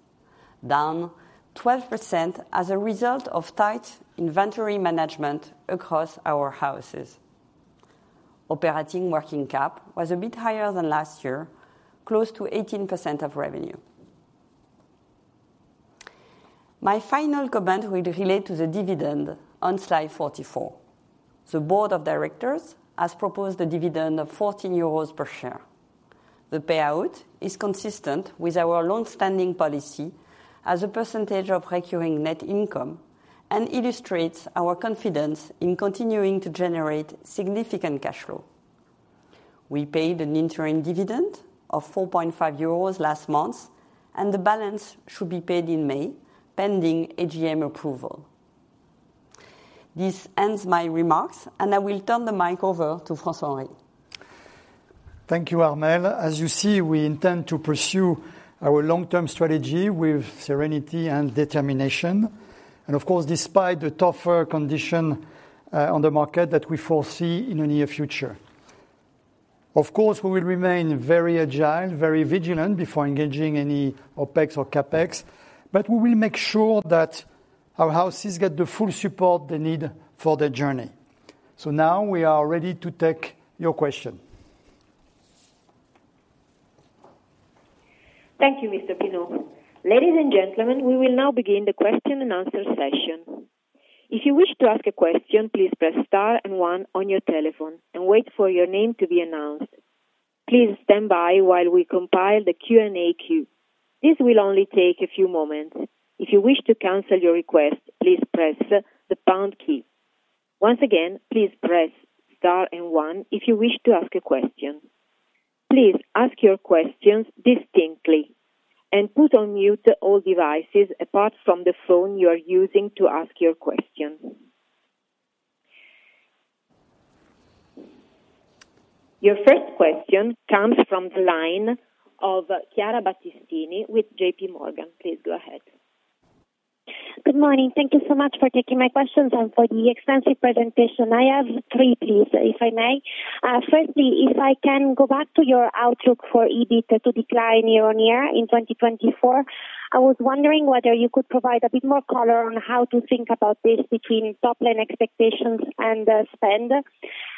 down 12% as a result of tight inventory management across our houses. Operating working cap was a bit higher than last year, close to 18% of revenue. My final comment will relate to the dividend on slide 44. The board of directors has proposed a dividend of 14 euros per share. The payout is consistent with our long-standing policy as a percentage of recurring net income and illustrates our confidence in continuing to generate significant cash flow. We paid an interim dividend of 4.5 euros last month, and the balance should be paid in May, pending AGM approval. This ends my remarks, and I will turn the mic over to François-Henri. Thank you, Armelle. As you see, we intend to pursue our long-term strategy with serenity and determination, and of course, despite the tougher condition on the market that we foresee in the near future. Of course, we will remain very agile, very vigilant before engaging any OpEx or CapEx, but we will make sure that our houses get the full support they need for their journey.... So now we are ready to take your question. Thank you, Mr. Pinault. Ladies and gentlemen, we will now begin the question-and-answer session. If you wish to ask a question, please press star and one on your telephone and wait for your name to be announced. Please stand by while we compile the Q&A queue. This will only take a few moments. If you wish to cancel your request, please press the pound key. Once again, please press star and one if you wish to ask a question. Please ask your questions distinctly and put on mute all devices apart from the phone you are using to ask your question. Your first question comes from the line of Chiara Battistini with JP Morgan. Please go ahead. Good morning. Thank you so much for taking my questions and for the extensive presentation. I have three, please, if I may. Firstly, if I can go back to your outlook for EBIT to decline year-on-year in 2024, I was wondering whether you could provide a bit more color on how to think about this between top line expectations and, spend.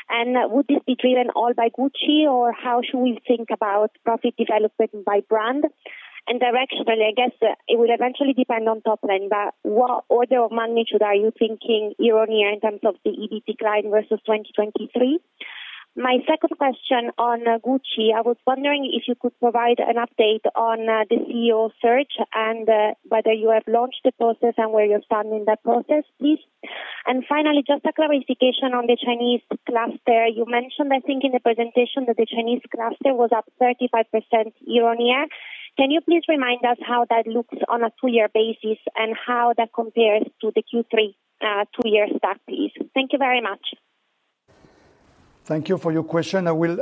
And would this be driven all by Gucci, or how should we think about profit development by brand? And directionally, I guess, it will eventually depend on top line, but what order of magnitude are you thinking year-on-year in terms of the EBIT decline versus 2023? My second question on Gucci, I was wondering if you could provide an update on, the CEO search and, whether you have launched the process and where you're standing in that process, please. Finally, just a clarification on the Chinese cluster. You mentioned, I think, in the presentation that the Chinese cluster was up 35% year-on-year. Can you please remind us how that looks on a two-year basis and how that compares to the Q3 two-year stack, please? Thank you very much. Thank you for your question. I will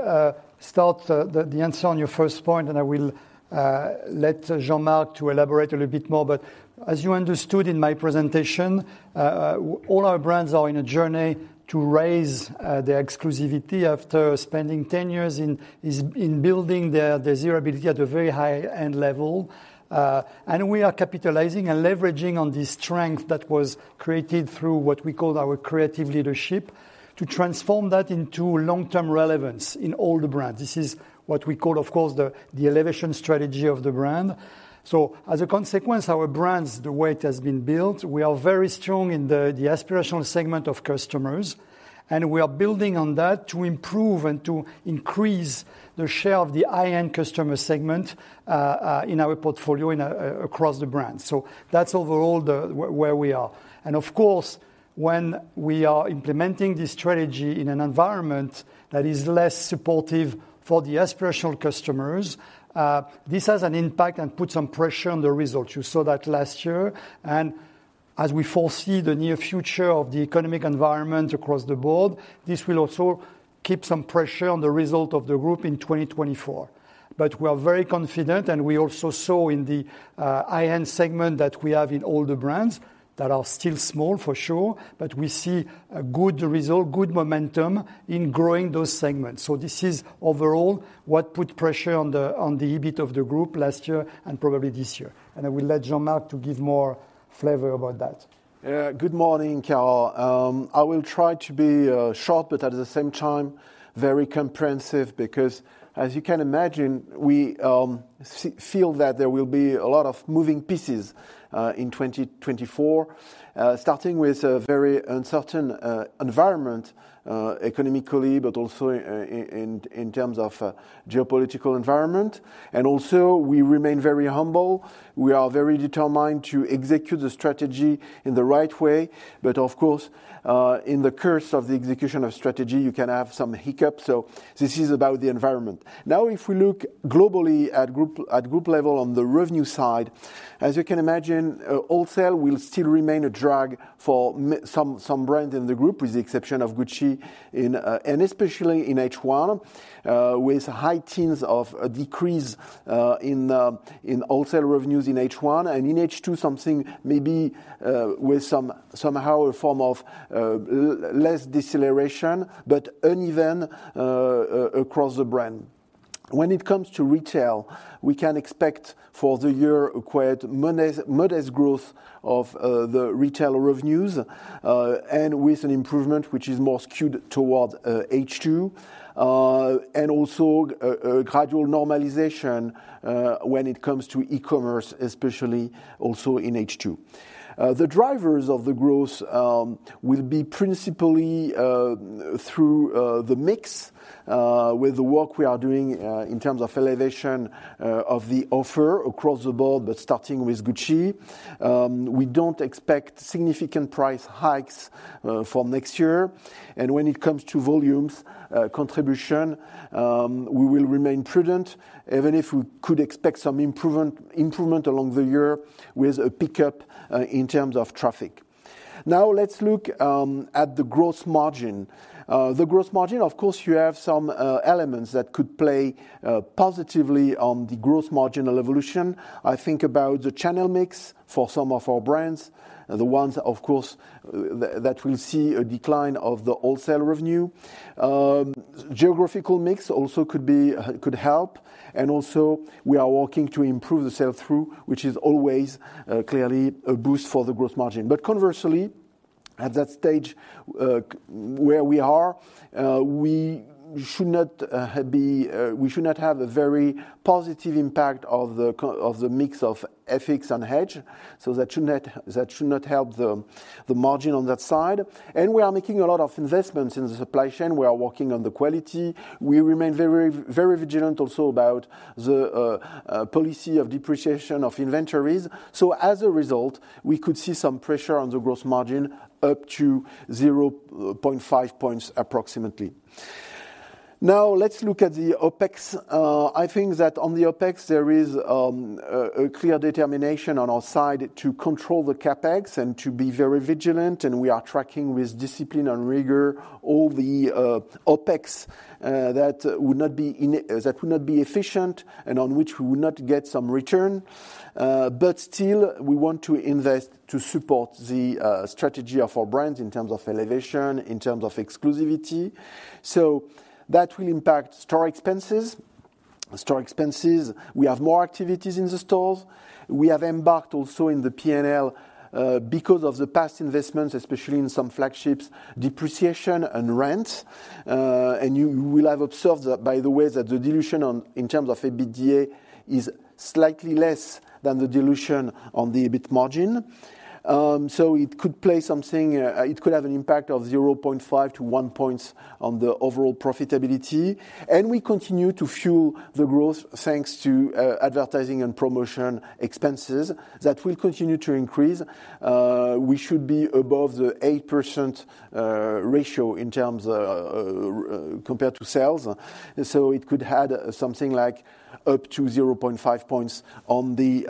start the answer on your first point, and I will let Jean-Marc to elaborate a little bit more. But as you understood in my presentation, all our brands are in a journey to raise their exclusivity after spending ten years in building their desirability at a very high-end level. And we are capitalizing and leveraging on the strength that was created through what we call our creative leadership, to transform that into long-term relevance in all the brands. This is what we call, of course, the elevation strategy of the brand. So as a consequence, our brands, the way it has been built, we are very strong in the aspirational segment of customers, and we are building on that to improve and to increase the share of the high-end customer segment, in our portfolio in, across the brand. So that's overall where we are. And of course, when we are implementing this strategy in an environment that is less supportive for the aspirational customers, this has an impact and put some pressure on the results. You saw that last year, and as we foresee the near future of the economic environment across the board, this will also keep some pressure on the result of the group in 2024. But we are very confident, and we also saw in the high-end segment that we have in all the brands, that are still small for sure, but we see a good result, good momentum in growing those segments. So this is overall what put pressure on the EBIT of the group last year and probably this year. And I will let Jean-Marc to give more flavor about that. Good morning, Chiara. I will try to be short, but at the same time, very comprehensive, because as you can imagine, we feel that there will be a lot of moving pieces in 2024. Starting with a very uncertain environment economically, but also in terms of geopolitical environment. Also we remain very humble. We are very determined to execute the strategy in the right way. But of course, in the course of the execution of strategy, you can have some hiccups, so this is about the environment. Now, if we look globally at group, at group level, on the revenue side, as you can imagine, wholesale will still remain a drag for some brands in the group, with the exception of Gucci, in... and especially in H1, with high teens of a decrease in wholesale revenues in H1. And in H2, something maybe with some, somehow a form of less deceleration, but uneven across the brand. When it comes to retail, we can expect for the year a quite modest, modest growth of the retail revenues, and with an improvement which is more skewed towards H2. And also a gradual normalization when it comes to e-commerce, especially also in H2. The drivers of the growth will be principally through the mix, with the work we are doing in terms of elevation of the offer across the board, but starting with Gucci. We don't expect significant price hikes for next year. When it comes to volumes contribution, we will remain prudent, even if we could expect some improvement along the year with a pickup in terms of traffic. Now, let's look at the gross margin. The gross margin, of course, you have some elements that could play positively on the gross margin evolution. I think about the channel mix for some of our brands, the ones, of course, that will see a decline of the wholesale revenue. Geographical mix also could help. And also, we are working to improve the sell-through, which is always clearly a boost for the gross margin. But conversely, at that stage where we are, we should not have a very positive impact of the mix of FX and hedge. So that should not help the margin on that side. And we are making a lot of investments in the supply chain. We are working on the quality. We remain very, very vigilant also about the policy of depreciation of inventories. So as a result, we could see some pressure on the gross margin up to 0.5 points approximately. Now, let's look at the OpEx. I think that on the OpEx, there is a clear determination on our side to control the CapEx and to be very vigilant, and we are tracking with discipline and rigor all the OpEx that would not be efficient and on which we would not get some return. But still, we want to invest to support the strategy of our brands in terms of elevation, in terms of exclusivity. So that will impact store expenses. Store expenses, we have more activities in the stores. We have embarked also in the P&L because of the past investments, especially in some flagships, depreciation and rent. And you will have observed that, by the way, that the dilution on, in terms of EBITDA is slightly less than the dilution on the EBIT margin. So it could play something. It could have an impact of 0.5-1 points on the overall profitability, and we continue to fuel the growth, thanks to advertising and promotion expenses. That will continue to increase. We should be above the 8% ratio in terms of compared to sales. So it could add something like up to 0.5 points on the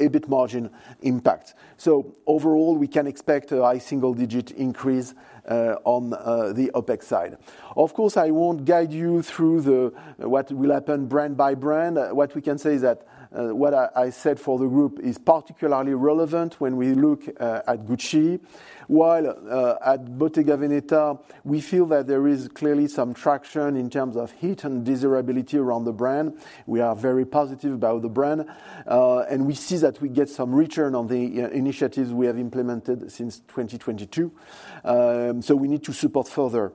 EBIT margin impact. So overall, we can expect a high single-digit increase on the OpEx side. Of course, I won't guide you through what will happen brand by brand. What we can say is that what I said for the group is particularly relevant when we look at Gucci. While at Bottega Veneta, we feel that there is clearly some traction in terms of heat and desirability around the brand. We are very positive about the brand, and we see that we get some return on the initiatives we have implemented since 2022. So we need to support further.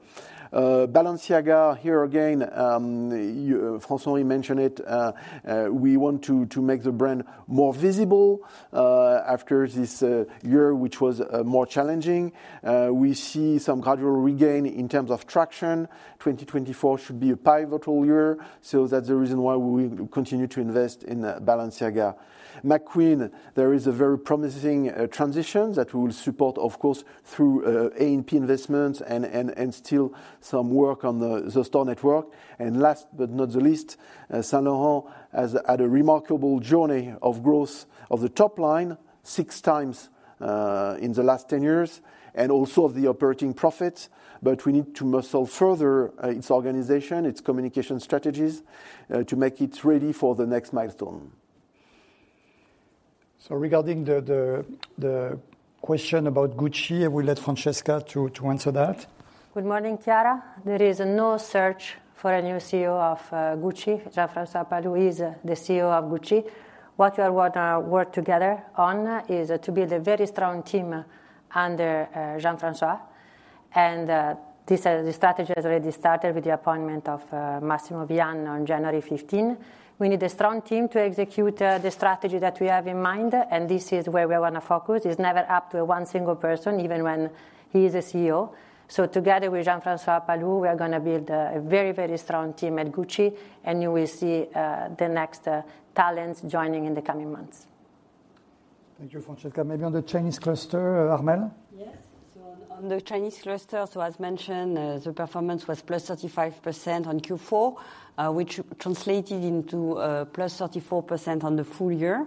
Balenciaga, here again, François, he mentioned it, we want to make the brand more visible after this year, which was more challenging. We see some gradual regain in terms of traction. 2024 should be a pivotal year, so that's the reason why we continue to invest in Balenciaga. McQueen, there is a very promising transition that we will support, of course, through A&P investments and still some work on the store network. And last but not the least, Saint Laurent has had a remarkable journey of growth of the top line, six times in the last 10 years, and also of the operating profits. But we need to muscle further its organization, its communication strategies to make it ready for the next milestone. So regarding the question about Gucci, I will let Francesca to answer that. Good morning, Chiara. There is no search for a new CEO of Gucci. Jean-François Palus is the CEO of Gucci. What we are gonna work together on is to build a very strong team under Jean-François, and the strategy has already started with the appointment of Massimo Vian on January 15. We need a strong team to execute the strategy that we have in mind, and this is where we wanna focus. It's never up to one single person, even when he is a CEO. So together with Jean-François Palus, we are gonna build a very, very strong team at Gucci, and you will see the next talents joining in the coming months. Thank you, Francesca. Maybe on the Chinese cluster, Armelle? Yes. So on the Chinese cluster, so as mentioned, the performance was +35% on Q4, which translated into +34% on the full year,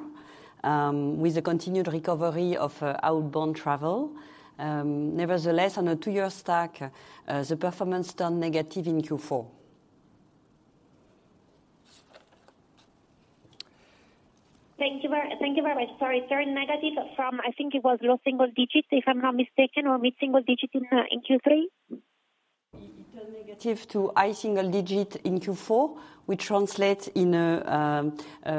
with the continued recovery of outbound travel. Nevertheless, on a two-year stack, the performance turned negative in Q4. Thank you very, thank you very much. Sorry, turned negative from, I think it was low single digits, if I'm not mistaken, or mid-single digits in, in Q3? It turned negative to high single-digit in Q4, which translate in a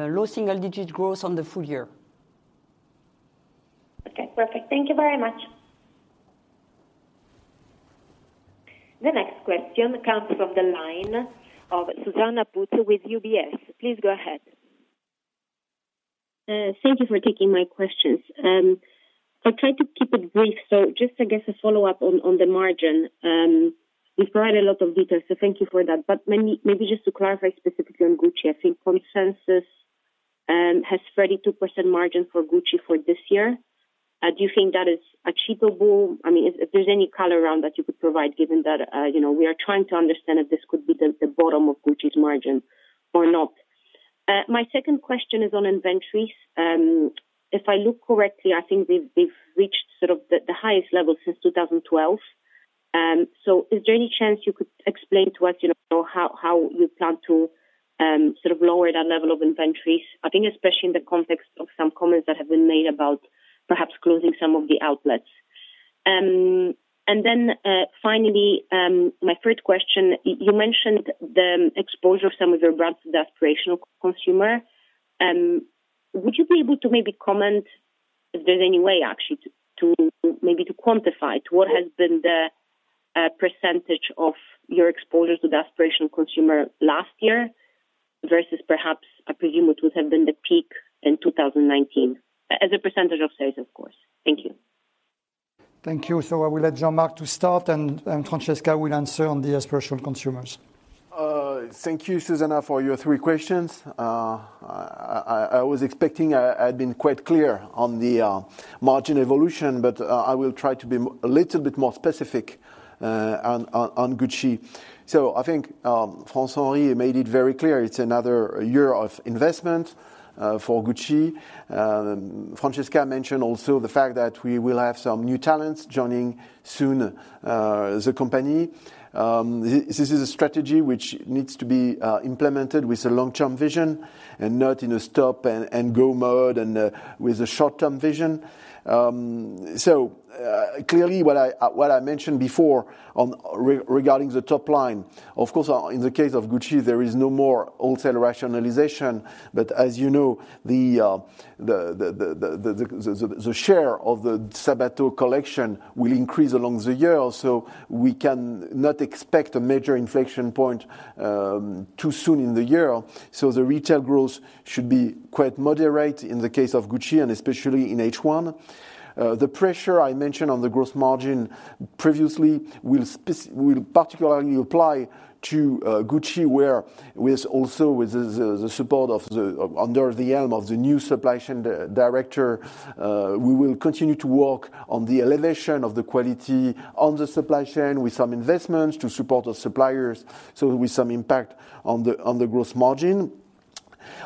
low single-digit growth on the full year. Okay, perfect. Thank you very much. The next question comes from the line of Zuzanna Pusz with UBS. Please go ahead. Thank you for taking my questions. I'll try to keep it brief. So just, I guess, a follow-up on the margin. You've provided a lot of details, so thank you for that. But maybe just to clarify specifically on Gucci, I think consensus has 32% margin for Gucci for this year. Do you think that is achievable? I mean, if there's any color around that you could provide, given that, you know, we are trying to understand if this could be the bottom of Gucci's margin or not. My second question is on inventories. If I look correctly, I think they've reached sort of the highest level since 2012. So is there any chance you could explain to us, you know, how you plan to sort of lower that level of inventories? I think especially in the context of some comments that have been made about perhaps closing some of the outlets.... And then, finally, my third question, you mentioned the exposure of some of your brands to the aspirational consumer. Would you be able to maybe comment if there's any way actually to quantify it? What has been the percentage of your exposure to the aspirational consumer last year versus perhaps, I presume, it would have been the peak in 2019, as a percentage of sales, of course. Thank you. Thank you. So I will let Jean-Marc to start, and Francesca will answer on the aspirational consumers. Thank you, Susanna, for your three questions. I was expecting. I'd been quite clear on the margin evolution, but I will try to be a little bit more specific on Gucci. So I think, François-Henri made it very clear it's another year of investment for Gucci. Francesca mentioned also the fact that we will have some new talents joining soon the company. This is a strategy which needs to be implemented with a long-term vision and not in a stop and go mode and with a short-term vision. So clearly, what I mentioned before regarding the top line, of course, in the case of Gucci, there is no more wholesale rationalization. But as you know, the share of the Sabato collection will increase along the year, so we can not expect a major inflection point too soon in the year. So the retail growth should be quite moderate in the case of Gucci, and especially in H1. The pressure I mentioned on the gross margin previously will particularly apply to Gucci, where with the support of under the helm of the new supply chain director, we will continue to work on the elevation of the quality on the supply chain with some investments to support our suppliers, so with some impact on the gross margin.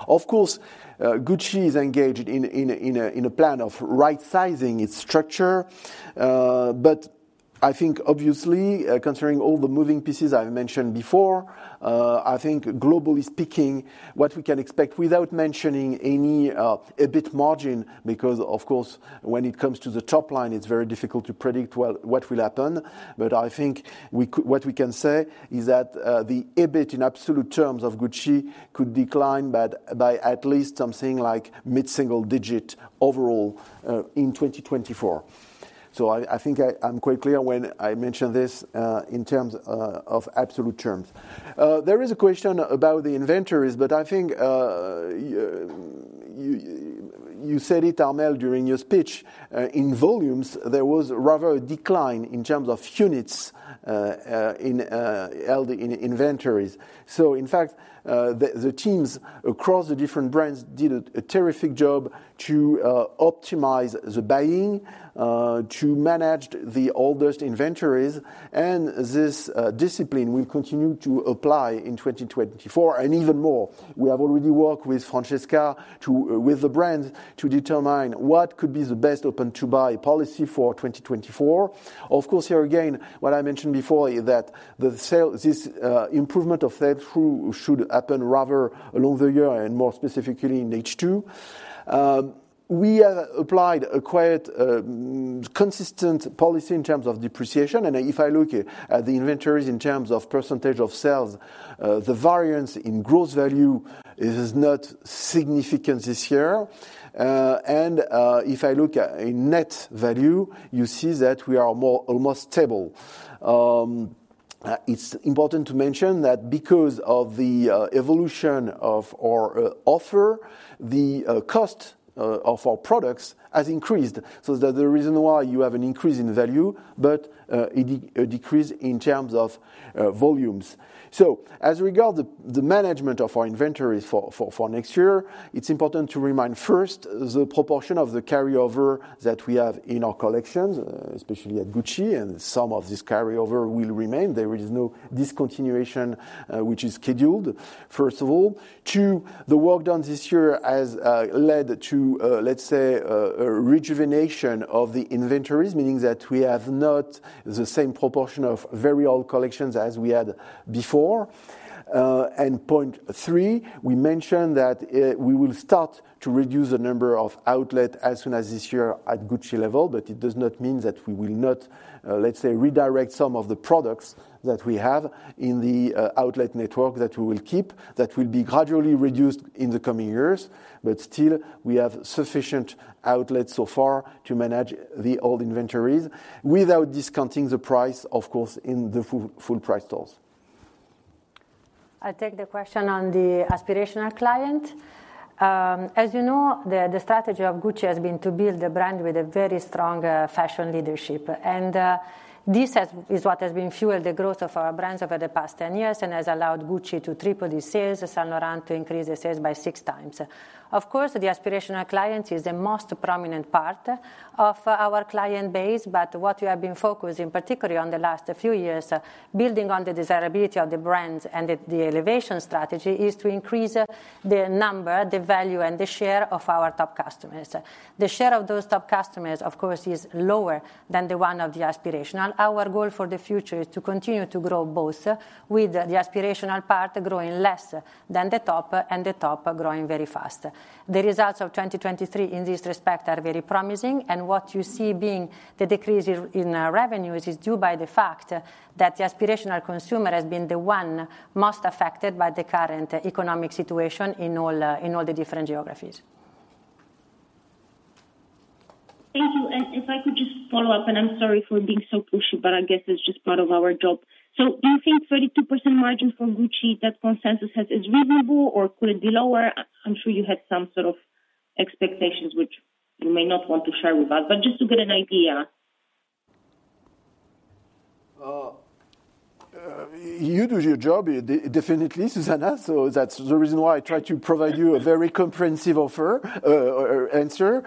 Of course, Gucci is engaged in a plan of right-sizing its structure. But I think obviously, considering all the moving pieces I mentioned before, I think globally speaking, what we can expect, without mentioning any EBIT margin, because, of course, when it comes to the top line, it's very difficult to predict well what will happen. But I think what we can say is that the EBIT in absolute terms of Gucci could decline by at least something like mid-single digit overall in 2024. So I think I'm quite clear when I mention this in terms of absolute terms. There is a question about the inventories, but I think you said it, Armelle, during your speech. In volumes, there was rather a decline in terms of units held in inventories. So in fact, the teams across the different brands did a terrific job to optimize the buying, to manage the oldest inventories, and this discipline will continue to apply in 2024 and even more. We have already worked with Francesca with the brands, to determine what could be the best open-to-buy policy for 2024. Of course, here again, what I mentioned before, is that the sale this improvement of sell-through should happen rather along the year and more specifically in H2. We have applied a quite consistent policy in terms of depreciation, and if I look at the inventories in terms of percentage of sales, the variance in growth value is not significant this year. And if I look at in net value, you see that we are more almost stable. It's important to mention that because of the evolution of our offer, the cost of our products has increased. So that the reason why you have an increase in value, but a decrease in terms of volumes. So as regard the management of our inventories for next year, it's important to remind first, the proportion of the carryover that we have in our collections, especially at Gucci, and some of this carryover will remain. There is no discontinuation, which is scheduled, first of all. Two, the work done this year has led to, let's say, a rejuvenation of the inventories, meaning that we have not the same proportion of very old collections as we had before. And point three, we mentioned that we will start to reduce the number of outlet as soon as this year at Gucci level, but it does not mean that we will not, let's say, redirect some of the products that we have in the outlet network that we will keep, that will be gradually reduced in the coming years. But still, we have sufficient outlets so far to manage the old inventories without discounting the price, of course, in the full price stores. I take the question on the aspirational client. As you know, the strategy of Gucci has been to build a brand with a very strong fashion leadership. And this is what has fueled the growth of our brands over the past 10 years and has allowed Gucci to triple the sales, Saint Laurent to increase the sales by 6 times. Of course, the aspirational client is the most prominent part of our client base, but what we have been focusing, particularly on the last few years, building on the desirability of the brands and the elevation strategy, is to increase the number, the value, and the share of our top customers. The share of those top customers, of course, is lower than the one of the aspirational. Our goal for the future is to continue to grow both, with the aspirational part growing less than the top, and the top growing very fast. The results of 2023 in this respect are very promising, and what you see being the decrease in, in our revenues is due by the fact that the aspirational consumer has been the one most affected by the current economic situation in all, in all the different geographies. ...Thank you. If I could just follow up, and I'm sorry for being so pushy, but I guess it's just part of our job. Do you think 32% margin for Gucci, that consensus has is reasonable or could it be lower? I'm sure you had some sort of expectations which you may not want to share with us, but just to get an idea. You do your job, definitely, Susanna, so that's the reason why I try to provide you a very comprehensive offer or answer.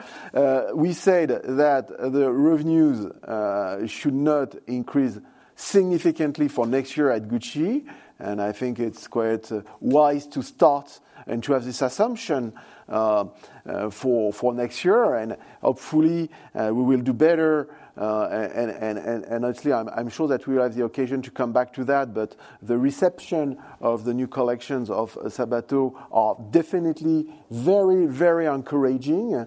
We said that the revenues should not increase significantly for next year at Gucci, and I think it's quite wise to start and to have this assumption for next year. And hopefully, we will do better. And actually, I'm sure that we will have the occasion to come back to that. But the reception of the new collections of Sabato are definitely very, very encouraging.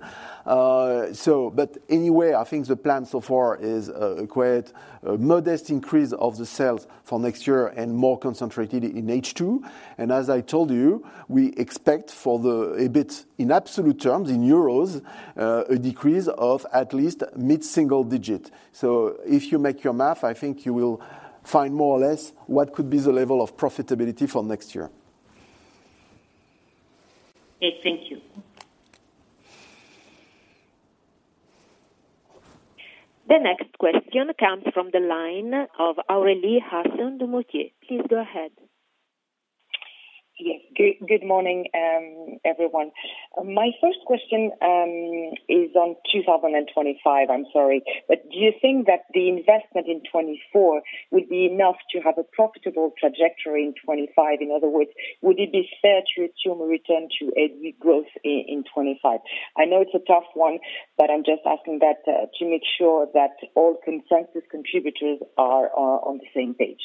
So but anyway, I think the plan so far is quite a modest increase of the sales for next year and more concentrated in H2. As I told you, we expect for the EBIT, in absolute terms, in euros, a decrease of at least mid-single digit. So if you make your math, I think you will find more or less what could be the level of profitability for next year. Okay, thank you. The next question comes from the line of Aurélie Husson-Dumoutier. Please go ahead. Yes. Good morning, everyone. My first question is on 2025, I'm sorry. But do you think that the investment in 2024 would be enough to have a profitable trajectory in 2025? In other words, would it be fair to assume a return to EBIT growth in 2025? I know it's a tough one, but I'm just asking that to make sure that all consensus contributors are on the same page.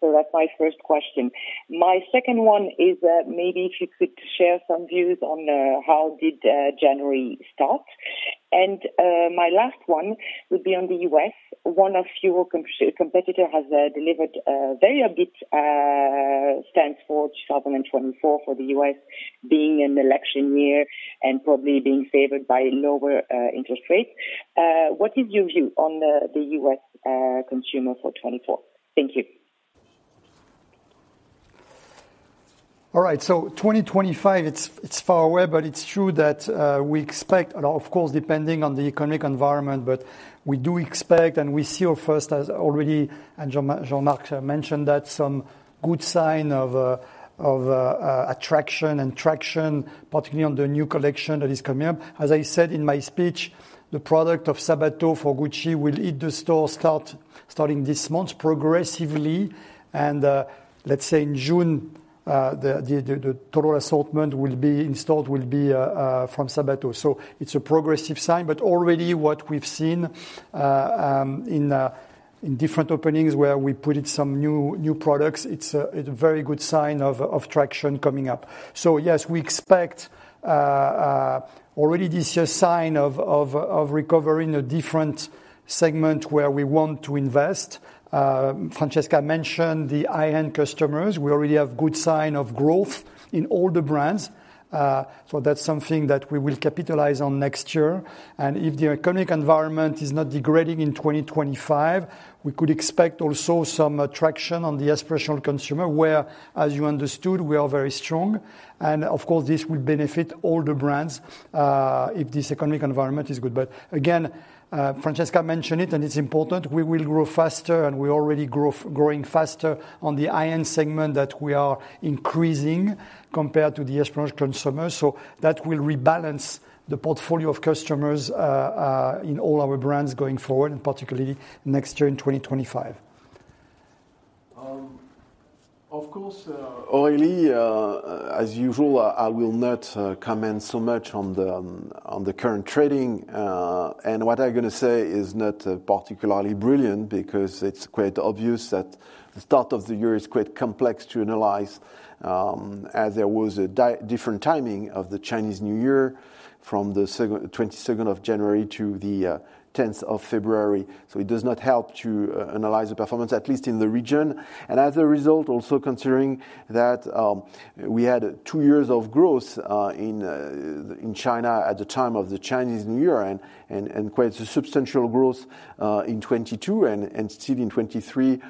So that's my first question. My second one is, maybe if you could share some views on how did January start? And my last one would be on the US. One of your competitor has delivered very a bit stands for 2024 for the US, being an election year and probably being favored by lower interest rates. What is your view on the US consumer for 2024? Thank you. All right, so 2025, it's far away, but it's true that we expect, and of course, depending on the economic environment, but we do expect and we see our first as already and Jean-Marc mentioned, that some good sign of attraction and traction, particularly on the new collection that is coming up. As I said in my speech, the product of Sabato for Gucci will hit the store, starting this month, progressively. And let's say in June, the total assortment will be installed, will be from Sabato. So it's a progressive sign, but already what we've seen in different openings where we put in some new products, it's a very good sign of traction coming up. So yes, we expect already this year's sign of recovery in a different segment where we want to invest. Francesca mentioned the high-end customers. We already have good sign of growth in all the brands, so that's something that we will capitalize on next year. And if the economic environment is not degrading in 2025, we could expect also some attraction on the aspirational consumer, where, as you understood, we are very strong. And of course, this will benefit all the brands, if this economic environment is good. But again, Francesca mentioned it, and it's important, we will grow faster, and we already grow, growing faster on the high-end segment that we are increasing compared to the aspirational consumer. So that will rebalance the portfolio of customers in all our brands going forward, and particularly next year in 2025. Of course, Aurelie, as usual, I will not comment so much on the current trading. And what I'm going to say is not particularly brilliant, because it's quite obvious that the start of the year is quite complex to analyze, as there was a different timing of the Chinese New Year from the 22nd of January to the 10th of February. So it does not help to analyze the performance, at least in the region. As a result, also considering that, we had two years of growth, in China at the time of the Chinese New Year and, quite a substantial growth, in 2022 and, still in 2023,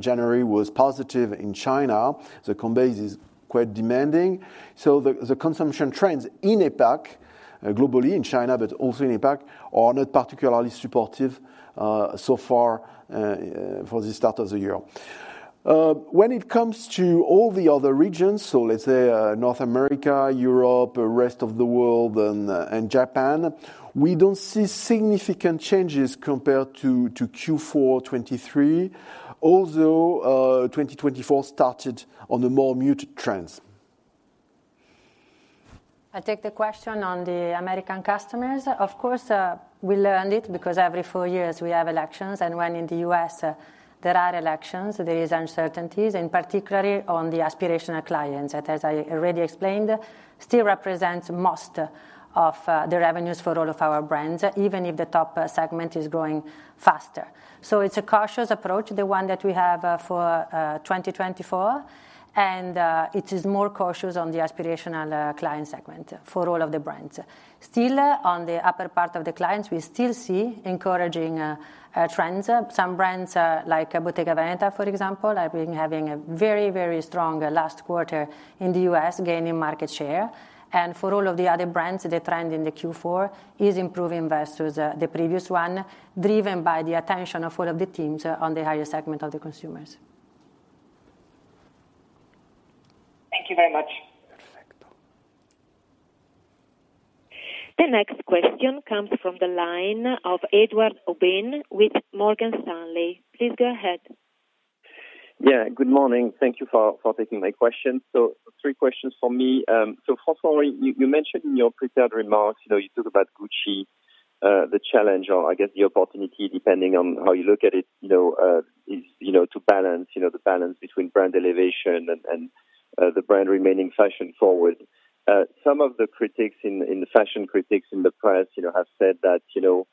January was positive in China. The base is quite demanding. So the, consumption trends in APAC, globally in China, but also in APAC, are not particularly supportive, so far, for the start of the year. When it comes to all the other regions, so let's say, North America, Europe, the rest of the world and, Japan, we don't see significant changes compared to, Q4 2023, although, 2024 started on a more muted trends. ... I take the question on the American customers. Of course, we learned it because every four years we have elections, and when in the U.S., there are elections, there is uncertainties, and particularly on the aspirational clients, that as I already explained, still represents most of the revenues for all of our brands, even if the top segment is growing faster. So it's a cautious approach, the one that we have for 2024, and it is more cautious on the aspirational client segment for all of the brands. Still, on the upper part of the clients, we still see encouraging trends. Some brands, like Bottega Veneta, for example, are having a very, very strong last quarter in the U.S., gaining market share. For all of the other brands, the trend in the Q4 is improving versus the previous one, driven by the attention of all of the teams on the higher segment of the consumers. Thank you very much. Perfecto. The next question comes from the line of Edouard Aubin with Morgan Stanley. Please go ahead. Yeah, good morning. Thank you for taking my question. So three questions for me. So first of all, you mentioned in your prepared remarks, you know, you talk about Gucci, the challenge or I guess the opportunity, depending on how you look at it, you know, is to balance the balance between brand elevation and the brand remaining fashion-forward. Some of the critics in the fashion critics in the press, you know, have said that, you know,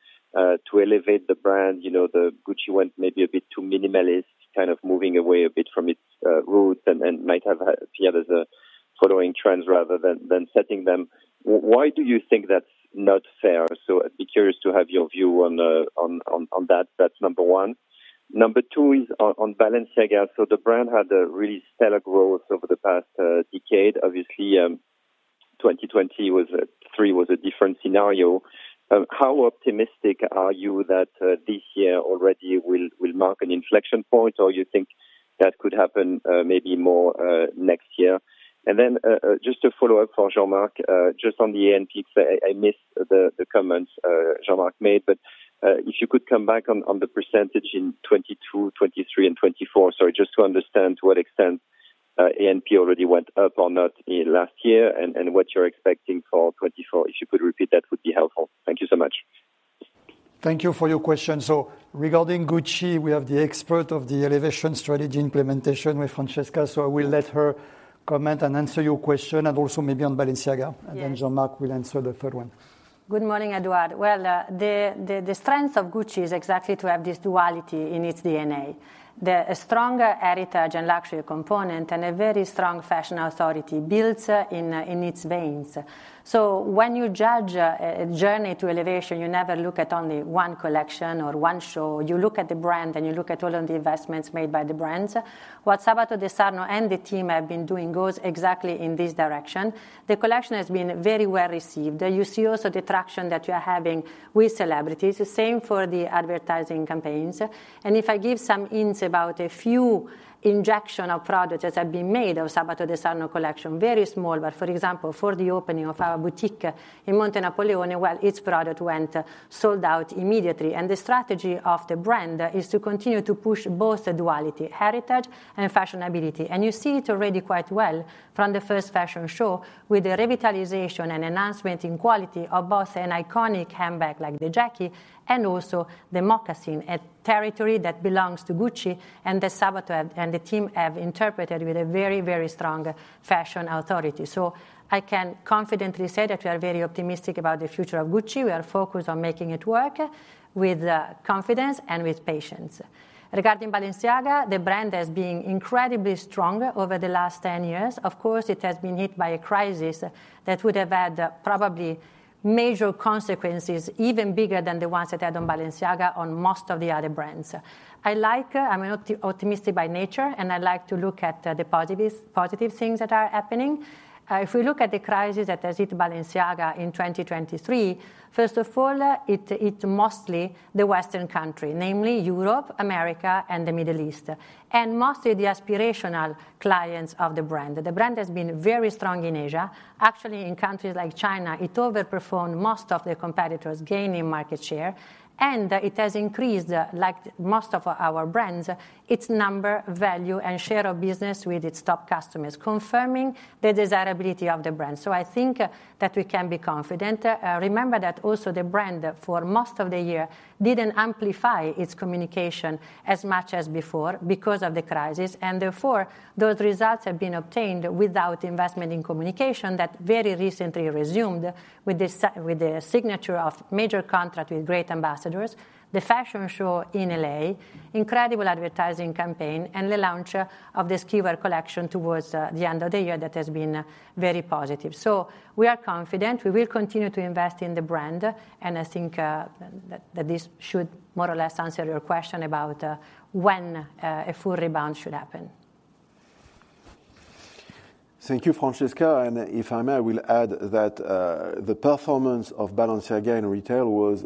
to elevate the brand, you know, Gucci went maybe a bit too minimalist, kind of moving away a bit from its roots and might have appeared as following trends rather than setting them. Why do you think that's not fair? So I'd be curious to have your view on that. That's number one. Number two is on Balenciaga. So the brand had a really stellar growth over the past decade. Obviously, 2020 was, 2023 was a different scenario. How optimistic are you that this year already will mark an inflection point, or you think that could happen maybe more next year? And then just to follow up for Jean-Marc, just on the A&P, I missed the comments Jean-Marc made, but if you could come back on the percentage in 2022, 2023, and 2024. Sorry, just to understand to what extent A&P already went up or not in last year, and what you're expecting for 2024. If you could repeat, that would be helpful. Thank you so much. Thank you for your question. Regarding Gucci, we have the expert of the elevation strategy implementation with Francesca, so I will let her comment and answer your question, and also maybe on Balenciaga. Yes. And then Jean-Marc will answer the third one. Good morning, Edward. Well, the strength of Gucci is exactly to have this duality in its DNA. A stronger heritage and luxury component and a very strong fashion authority built in its veins. So when you judge a journey to elevation, you never look at only one collection or one show. You look at the brand, and you look at all of the investments made by the brands. What Sabato De Sarno and the team have been doing goes exactly in this direction. The collection has been very well received. You see also the traction that we are having with celebrities. The same for the advertising campaigns. If I give some hints about a few injection of products that have been made of Sabato De Sarno collection, very small, but for example, for the opening of our boutique in Monte Napoleone, well, its product went sold out immediately. The strategy of the brand is to continue to push both the duality, heritage and fashionability. You see it already quite well from the first fashion show, with the revitalization and enhancement in quality of both an iconic handbag like the Jackie and also the moccasin, a territory that belongs to Gucci, and the Sabato and the team have interpreted with a very, very strong fashion authority. I can confidently say that we are very optimistic about the future of Gucci. We are focused on making it work with confidence and with patience. Regarding Balenciaga, the brand has been incredibly strong over the last 10 years. Of course, it has been hit by a crisis that would have had probably major consequences, even bigger than the ones that had on Balenciaga, on most of the other brands. I like, I'm optimistic by nature, and I like to look at the positives, positive things that are happening. If we look at the crisis that has hit Balenciaga in 2023, first of all, it hit mostly the Western country, namely Europe, America, and the Middle East, and mostly the aspirational clients of the brand. The brand has been very strong in Asia. Actually, in countries like China, it overperformed most of their competitors, gaining market share, and it has increased, like most of our brands, its number, value, and share of business with its top customers, confirming the desirability of the brand. So I think that we can be confident. Remember that also the brand, for most of the year, didn't amplify its communication as much as before because of the crisis, and therefore, those results have been obtained without investment in communication that very recently resumed with the signature of major contract with great ambassadors, the fashion show in L.A., incredible advertising campaign, and the launch of the skiwear collection towards the end of the year. That has been very positive. So we are confident. We will continue to invest in the brand, and I think that this should more or less answer your question about when a full rebound should happen. ... Thank you, Francesca. If I may, I will add that the performance of Balenciaga in retail was,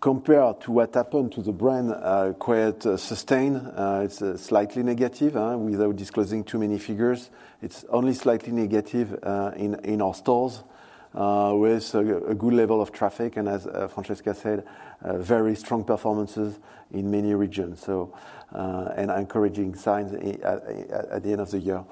compared to what happened to the brand, quite sustained. It's slightly negative, without disclosing too many figures. It's only slightly negative in our stores, with a good level of traffic, and as Francesca said, very strong performances in many regions. So, encouraging signs at the end of the year.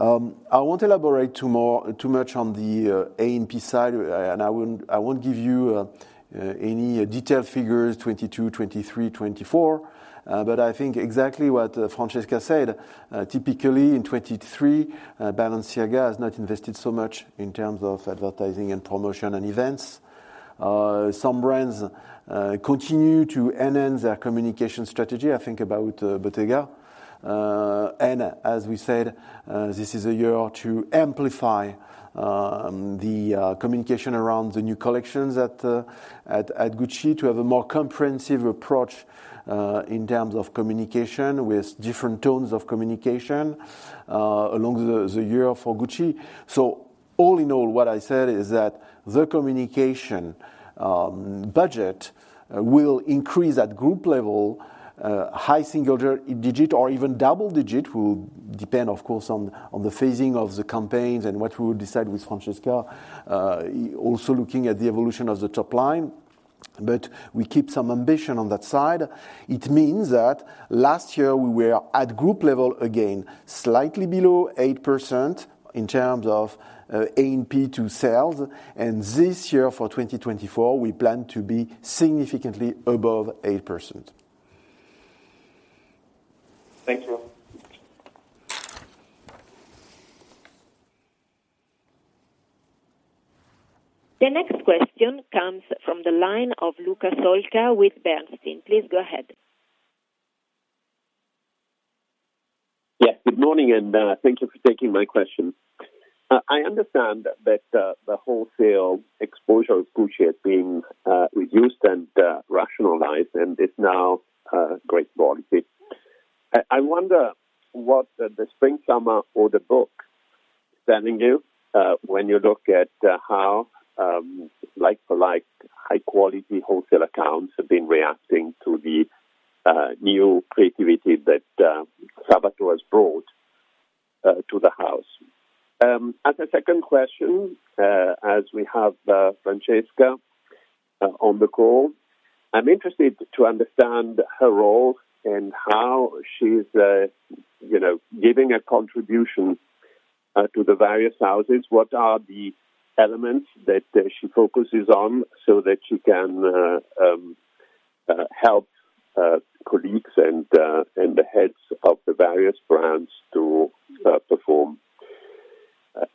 I won't elaborate too much on the A&P side, and I won't give you any detailed figures, 2022, 2023, 2024. But I think exactly what Francesca said, typically, in 2023, Balenciaga has not invested so much in terms of advertising and promotion and events. Some brands continue to enhance their communication strategy. I think about Bottega. And as we said, this is a year to amplify the communication around the new collections at Gucci, to have a more comprehensive approach in terms of communication with different tones of communication along the year for Gucci. So all in all, what I said is that the communication budget will increase at group level, high single-digit or even double-digit, will depend, of course, on the phasing of the campaigns and what we will decide with Francesca, also looking at the evolution of the top line. But we keep some ambition on that side. It means that last year we were at group level, again, slightly below 8% in terms of A&P to sales, and this year, for 2024, we plan to be significantly above 8%. Thank you. The next question comes from the line of Luca Solca with Bernstein. Please go ahead. Yes, good morning, and, thank you for taking my question. I understand that, the wholesale exposure of Gucci is being, reduced and, rationalized, and it's now, great quality. I wonder what, the spring summer or the book telling you, when you look at, how, like-for-like, high quality wholesale accounts have been reacting to the, new creativity that, Sabato has brought, to the house. As a second question, as we have, Francesca, on the call, I'm interested to understand her role and how she's, you know, giving a contribution, to the various houses. What are the elements that, she focuses on so that she can, help, colleagues and, and the heads of the various brands to, perform?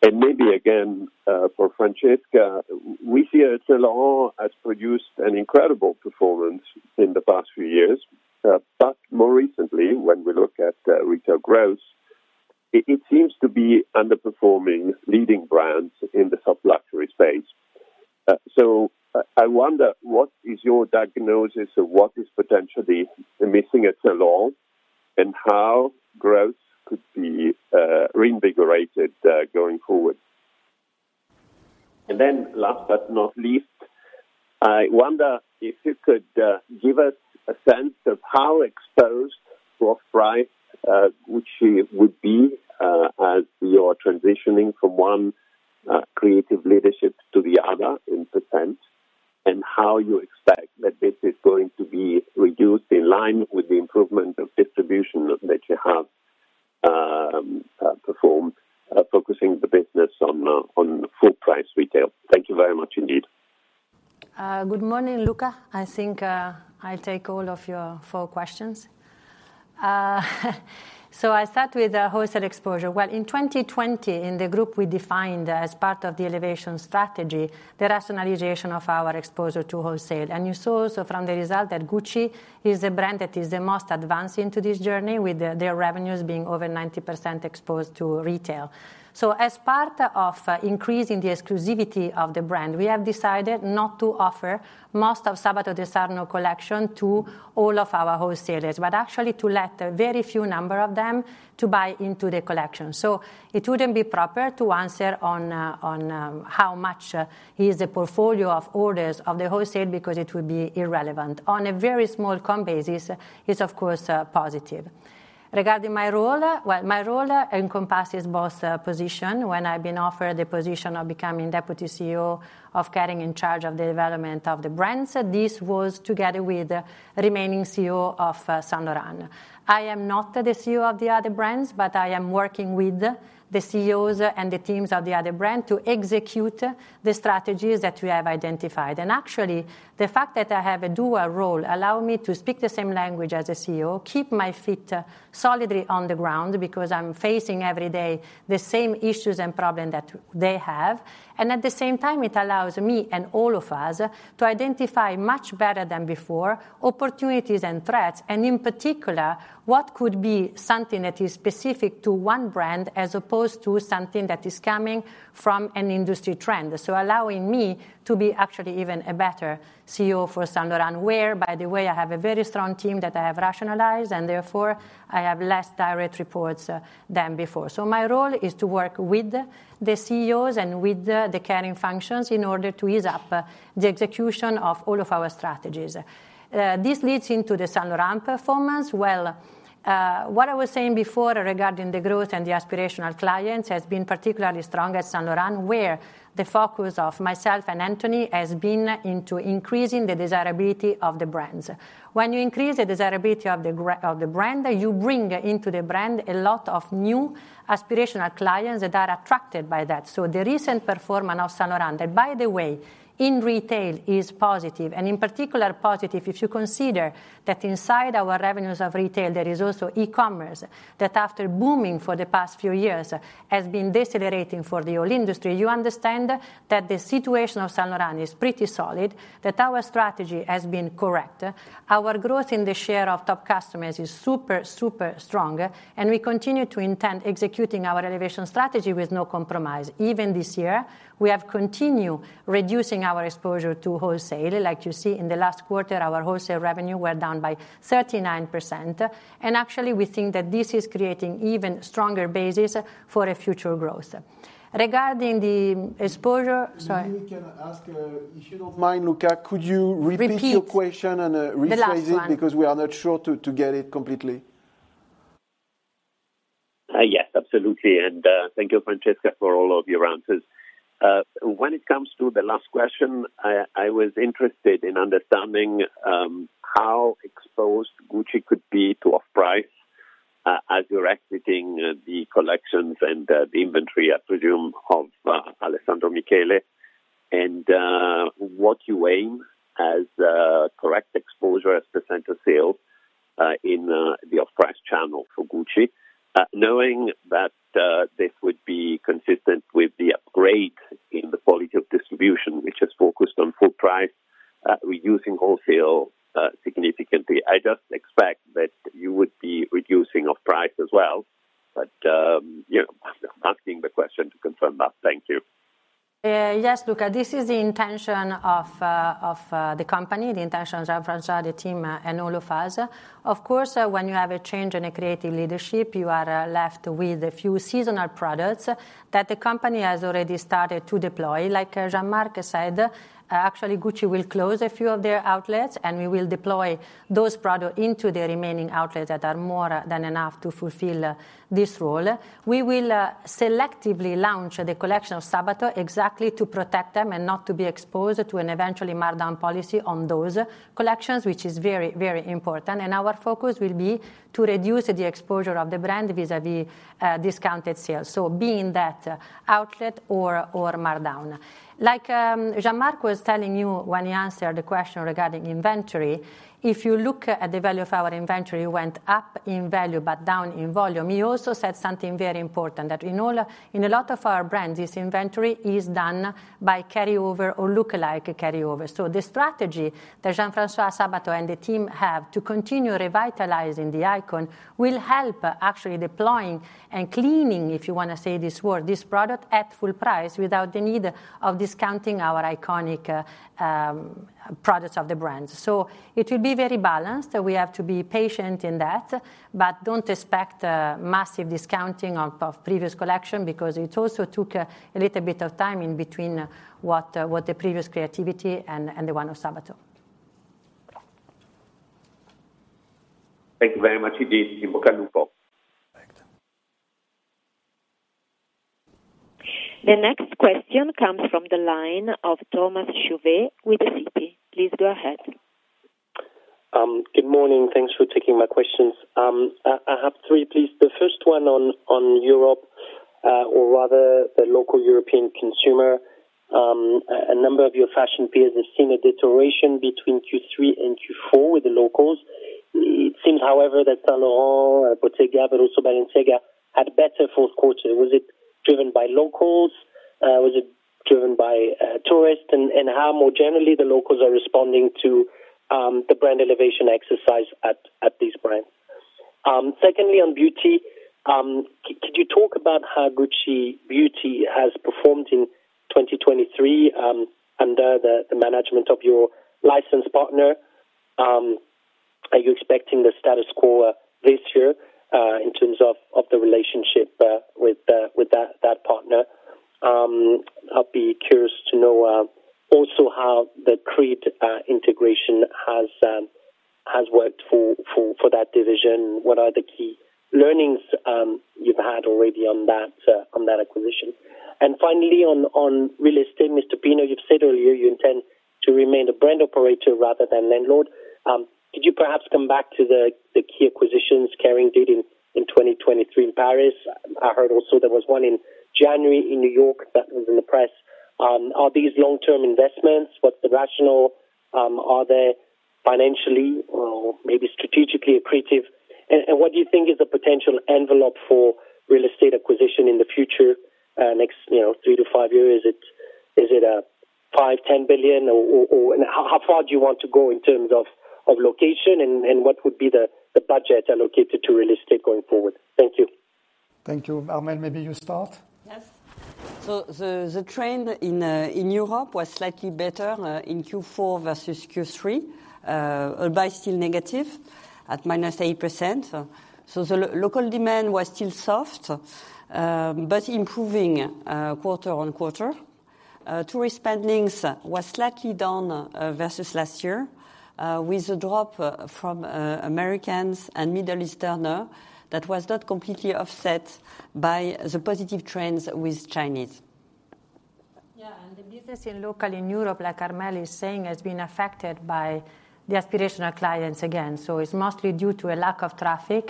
And maybe again, for Francesca, we see Saint Laurent has produced an incredible performance in the past few years, but more recently, when we look at retail growth, it seems to be underperforming leading brands in the soft luxury space. So I wonder, what is your diagnosis of what is potentially missing at Saint Laurent, and how growth could be reinvigorated going forward? And then last but not least, I wonder if you could give us a sense of how exposed to outright Gucci would be as you're transitioning from one creative leadership to the other, in percent, and how you expect that this is going to be reduced in line with the improvement of distribution that you have performed, focusing the business on full price retail. Thank you very much indeed. Good morning, Luca. I think, I'll take all of your four questions. So I start with the wholesale exposure. Well, in 2020, in the group we defined as part of the elevation strategy, the rationalization of our exposure to wholesale. And you saw also from the result that Gucci is the brand that is the most advanced into this journey, with their revenues being over 90% exposed to retail. So as part of increasing the exclusivity of the brand, we have decided not to offer most of Sabato De Sarno collection to all of our wholesalers, but actually to let a very few number of them to buy into the collection. So it wouldn't be proper to answer on how much is the portfolio of orders of the wholesale, because it would be irrelevant. On a very small comp basis, it's of course positive. Regarding my role, well, my role encompasses both positions. When I've been offered the position of becoming deputy CEO of Kering in charge of the development of the brands, this was together with retaining the CEO of Saint Laurent. I am not the CEO of the other brands, but I am working with the CEOs and the teams of the other brands to execute the strategies that we have identified. Actually, the fact that I have a dual role allow me to speak the same language as a CEO, keep my feet solidly on the ground, because I'm facing every day the same issues and problems that they have. At the same time, it allows me and all of us to identify much better than before, opportunities and threats, and in particular, what could be something that is specific to one brand as opposed to something that is coming from an industry trend. So allowing me to be actually even a better CEO for Saint Laurent, where, by the way, I have a very strong team that I have rationalized, and therefore, I have less direct reports than before. So my role is to work with the CEOs and with the Kering functions in order to ease up the execution of all of our strategies. This leads into the Saint Laurent performance. Well, what I was saying before regarding the growth and the aspirational clients, has been particularly strong at Saint Laurent, where the focus of myself and Anthony has been into increasing the desirability of the brands. When you increase the desirability of the brand, you bring into the brand a lot of new aspirational clients that are attracted by that. So the recent performance of Saint Laurent, and by the way, in retail, is positive, and in particular, positive, if you consider that inside our revenues of retail, there is also e-commerce, that after booming for the past few years, has been decelerating for the old industry. You understand that the situation of Saint Laurent is pretty solid, that our strategy has been correct. Our growth in the share of top customers is super, super strong, and we continue to intend executing our elevation strategy with no compromise. Even this year, we have continued reducing our exposure to wholesale. Like you see, in the last quarter, our wholesale revenue were down by 39%, and actually, we think that this is creating even stronger basis for a future growth. Regarding the exposure... Sorry. Maybe we can ask, if you don't mind, Luca, could you repeat- Repeat. your question and rephrase it. The last one. -because we are not sure to get it completely. Yes, absolutely. And thank you, Francesca, for all of your answers. When it comes to the last question, I was interested in understanding how exposed Gucci could be to off-price, as you're exiting the collections and the inventory, I presume, of Alessandro Michele, and what you aim as correct exposure as % of sales in the off-price channel for Gucci, knowing that this would be consistent with the upgrade in the quality of distribution, which is focused on full price, reducing wholesale significantly. I just expect that you would be reducing off price as well, but you know, asking the question to confirm that. Thank you. Yes, Luca, this is the intention of the company, the intentions of François, the team, and all of us. Of course, when you have a change in a creative leadership, you are left with a few seasonal products that the company has already started to deploy. Like, Jean-Marc said, actually, Gucci will close a few of their outlets, and we will deploy those products into the remaining outlets that are more than enough to fulfill this role. We will selectively launch the collection of Sabato, exactly to protect them and not to be exposed to an eventually markdown policy on those collections, which is very, very important. And our focus will be to reduce the exposure of the brand vis-à-vis discounted sales. So being that outlet or markdown. Like, Jean-Marc was telling you when he answered the question regarding inventory, if you look at the value of our inventory, it went up in value but down in volume. He also said something very important, that in a lot of our brands, this inventory is done by carryover or lookalike carryover. So the strategy that Jean-François, Sabato and the team have to continue revitalizing the icon, will help actually deploying and cleaning, if you want to say this word, this product at full price without the need of discounting our iconic products of the brand. So it will be very balanced, so we have to be patient in that, but don't expect massive discounting of previous collection because it also took a little bit of time in between what the previous creativity and the one of Sabato. Thank you very much, indeed. In bocca al lupo. Thank you. The next question comes from the line of Thomas Chauvet with Citi. Please go ahead. Good morning. Thanks for taking my questions. I have three, please. The first one on Europe, or rather, the local European consumer. A number of your fashion peers have seen a deterioration between Q3 and Q4 with the locals. It seems, however, that Saint Laurent, Bottega, but also Balenciaga, had better fourth quarter. Was it driven by locals? Was it driven by tourists? And how more generally the locals are responding to the brand elevation exercise at this brand. Secondly, on beauty, could you talk about how Gucci Beauty has performed in 2023, under the management of your licensed partner? Are you expecting the status quo this year, in terms of the relationship with that partner? I'll be curious to know also how the Creed integration has worked for that division. What are the key learnings you've had already on that acquisition? And finally, on real estate, Mr. Pinault, you've said earlier you intend to remain a brand operator rather than landlord. Could you perhaps come back to the key acquisitions Kering did in 2023 in Paris? I heard also there was one in January in New York that was in the press. Are these long-term investments? What's the rationale? Are they financially or maybe strategically accretive? And what do you think is the potential envelope for real estate acquisition in the future, next, you know, 3-5 years? Is it 5-10 billion, or and how far do you want to go in terms of location, and what would be the budget allocated to real estate going forward? Thank you. Thank you. Armelle, maybe you start. Yes. So the trend in Europe was slightly better in Q4 versus Q3, but still negative at -8%. So the local demand was still soft, but improving quarter-on-quarter. Tourist spendings was slightly down versus last year, with a drop from Americans and Middle Easterner that was not completely offset by the positive trends with Chinese. Yeah, and the business in local, in Europe, like Armelle is saying, has been affected by the aspirational clients again. So it's mostly due to a lack of traffic,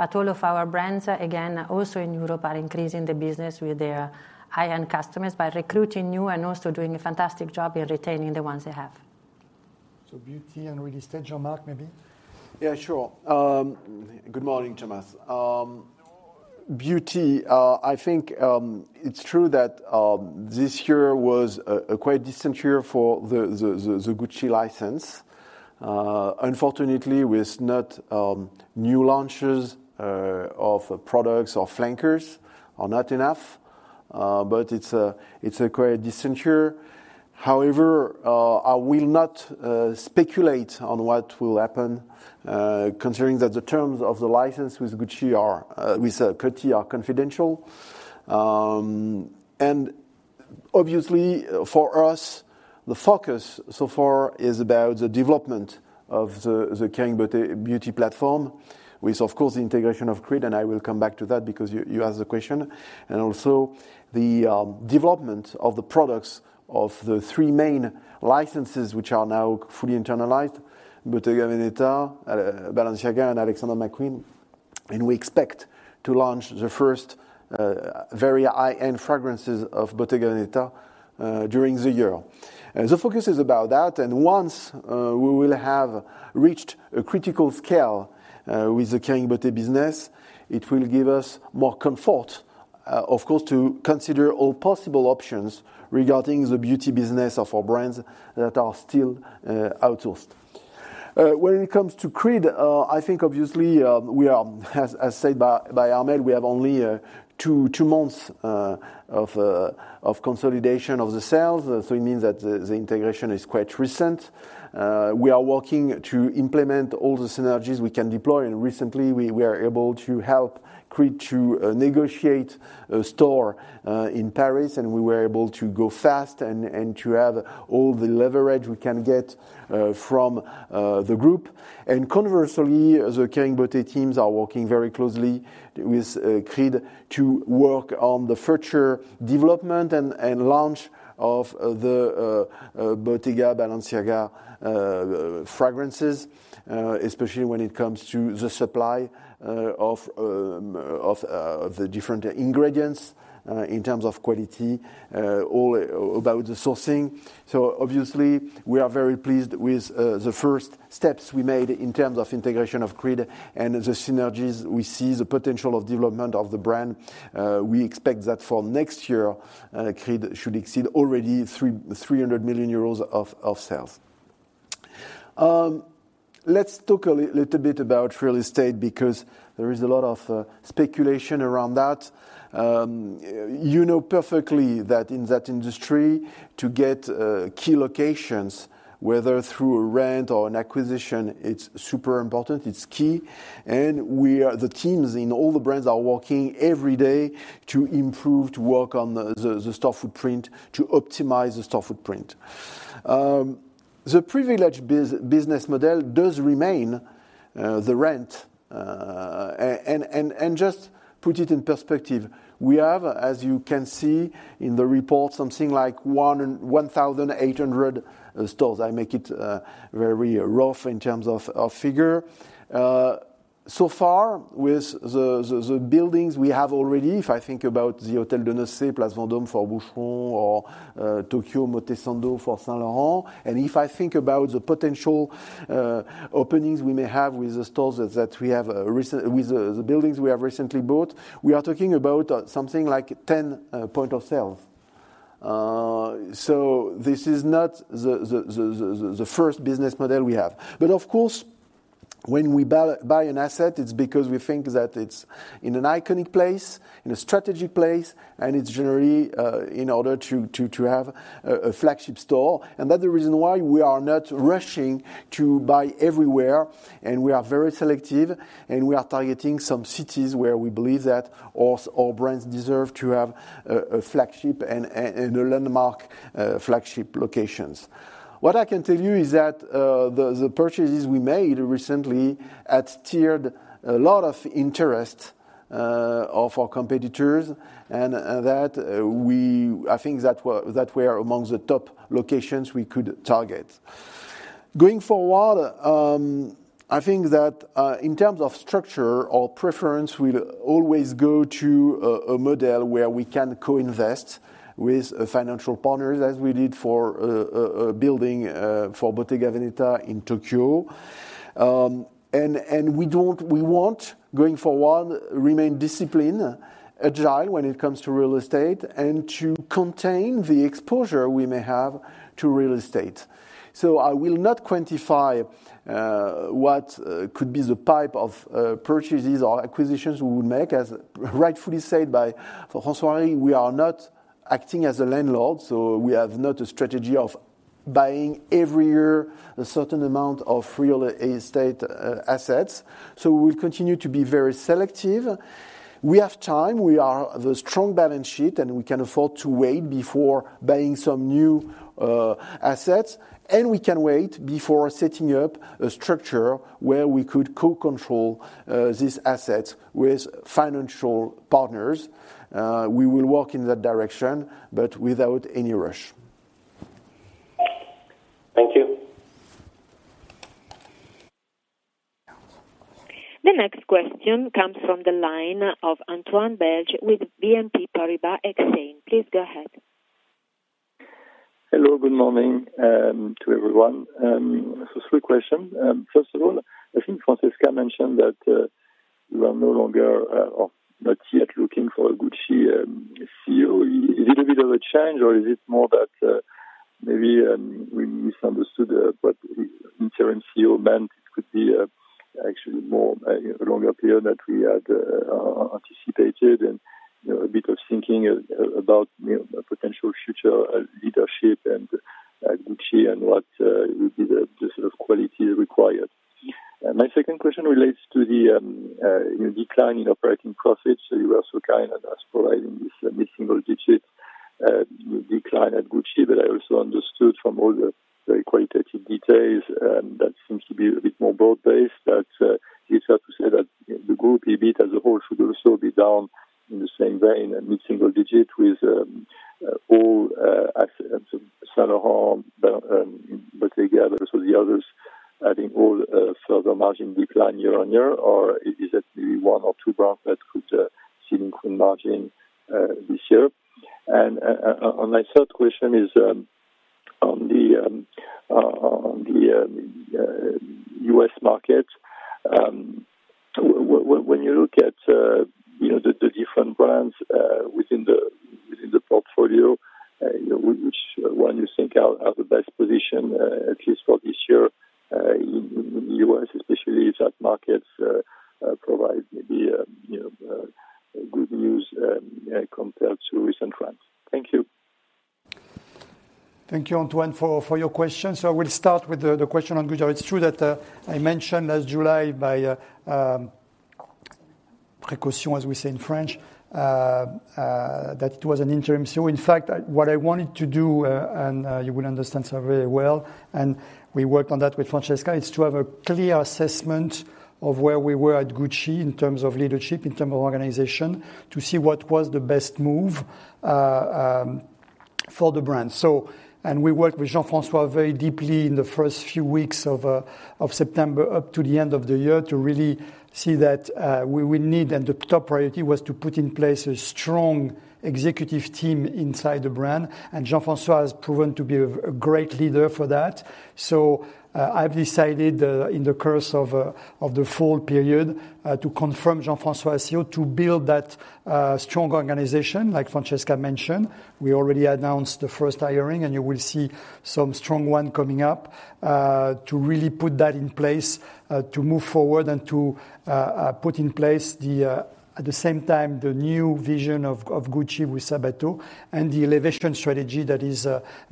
but all of our brands, again, also in Europe, are increasing the business with their high-end customers by recruiting new and also doing a fantastic job in retaining the ones they have. So beauty and real estate, Jean-Marc, maybe? Yeah, sure. Good morning to Massimo. Beauty, I think, it's true that this year was a quite decent year for the Gucci license. Unfortunately, with not new launches of products or flankers, or not enough, but it's a quite decent year. However, I will not speculate on what will happen, considering that the terms of the license with Gucci are with Kering are confidential. And obviously, for us, the focus so far is about the development of the Kering Beauty platform, with, of course, the integration of Creed, and I will come back to that because you asked the question, and also the development of the products of the three main licenses, which are now fully internalized: Bottega Veneta, Balenciaga, and Alexander McQueen. We expect to launch the first very high-end fragrances of Bottega Veneta during the year. The focus is about that, and once we will have reached a critical scale with the Kering Beauty business, it will give us more comfort, of course, to consider all possible options regarding the beauty business of our brands that are still outsourced. When it comes to Creed, I think obviously, we are, as said by Armelle, we have only 2 months of consolidation of the sales. So it means that the integration is quite recent. We are working to implement all the synergies we can deploy, and recently we are able to help Creed to negotiate a store in Paris, and we were able to go fast and to have all the leverage we can get from the group. And conversely, the Kering Beauty teams are working very closely with Creed to work on the future development and launch of the Bottega, Balenciaga fragrances, especially when it comes to the supply of the different ingredients in terms of quality, all about the sourcing. So obviously, we are very pleased with the first steps we made in terms of integration of Creed and the synergies we see the potential of development of the brand. We expect that for next year, Creed should exceed already 300 million euros of sales. Let's talk a little bit about real estate, because there is a lot of speculation around that. You know perfectly that in that industry, to get key locations, whether through a rent or an acquisition, it's super important, it's key. And the teams in all the brands are working every day to improve, to work on the store footprint, to optimize the store footprint. The privileged business model does remain the rent. And just put it in perspective, we have, as you can see in the report, something like 1,800 stores. I make it very rough in terms of figure. So far, with the buildings we have already, if I think about the Hôtel de Nocé, Place Vendôme for Boucheron, or Tokyo, Omotesando for Saint Laurent, and if I think about the potential openings we may have with the stores that we have with the buildings we have recently bought, we are talking about something like 10 points of sale. So this is not the first business model we have. But of course. When we buy an asset, it's because we think that it's in an iconic place, in a strategic place, and it's generally in order to have a flagship store. That's the reason why we are not rushing to buy everywhere, and we are very selective, and we are targeting some cities where we believe that our brands deserve to have a flagship and a landmark flagship locations. What I can tell you is that the purchases we made recently has steered a lot of interest of our competitors, and that we-- I think that we are amongst the top locations we could target. Going forward, I think that in terms of structure or preference, we'll always go to a model where we can co-invest with financial partners, as we did for a building for Bottega Veneta in Tokyo. We want, going forward, remain disciplined, agile when it comes to real estate, and to contain the exposure we may have to real estate. So I will not quantify what could be the type of purchases or acquisitions we would make. As rightfully said by François, we are not acting as a landlord, so we have not a strategy of buying every year a certain amount of real estate assets. So we'll continue to be very selective. We have time. We are the strong balance sheet, and we can afford to wait before buying some new assets, and we can wait before setting up a structure where we could co-control this asset with financial partners. We will work in that direction, but without any rush. Thank you. The next question comes from the line of Antoine Belge with BNP Paribas Exane. Please go ahead. Hello, good morning, to everyone. So three questions. First of all, I think Francesca mentioned that you are no longer, or not yet looking for a Gucci CEO. Is it a bit of a change, or is it more that maybe we misunderstood, but interim CEO meant could be actually more, a longer period that we had anticipated, and, you know, a bit of thinking about, you know, the potential future leadership and Gucci and what would be the sort of quality required? My second question relates to the decline in operating profits. So you were so kind as providing this mid-single digit decline at Gucci, but I also understood from all the very qualitative details, and that seems to be a bit more broad-based. But, it's hard to say that the group, EBIT, as a whole, should also be down in the same vein and mid-single digit with, all, assets, Saint Laurent, Bottega, so the others, I think all, further margin decline year-on-year, or is it just one or two brands that could, see margin, this year? And, my third question is, on the, on the, U.S. market. When, when you look at, you know, the, the different brands, within the, within the portfolio, you know, which one you think are, have the best position, at least for this year, in the U.S., especially as that market, provides maybe, you know, good news, compared to recent trends. Thank you. Thank you, Antoine, for your questions. So I will start with the question on Gucci. It's true that I mentioned last July by precaution, as we say in French, that it was an interim. So in fact, what I wanted to do, and you will understand so very well, and we worked on that with Francesca, is to have a clear assessment of where we were at Gucci in terms of leadership, in terms of organization, to see what was the best move, for the brand. And we worked with Jean-François very deeply in the first few weeks of September, up to the end of the year, to really see that we need, and the top priority was to put in place a strong executive team inside the brand, and Jean-François has proven to be a great leader for that. So, I've decided in the course of the fall period to confirm Jean-François as CEO, to build that strong organization like Francesca mentioned. We already announced the first hiring, and you will see some strong one coming up, to really put that in place, to move forward and to put in place the, at the same time, the new vision of Gucci with Sabato and the elevation strategy that is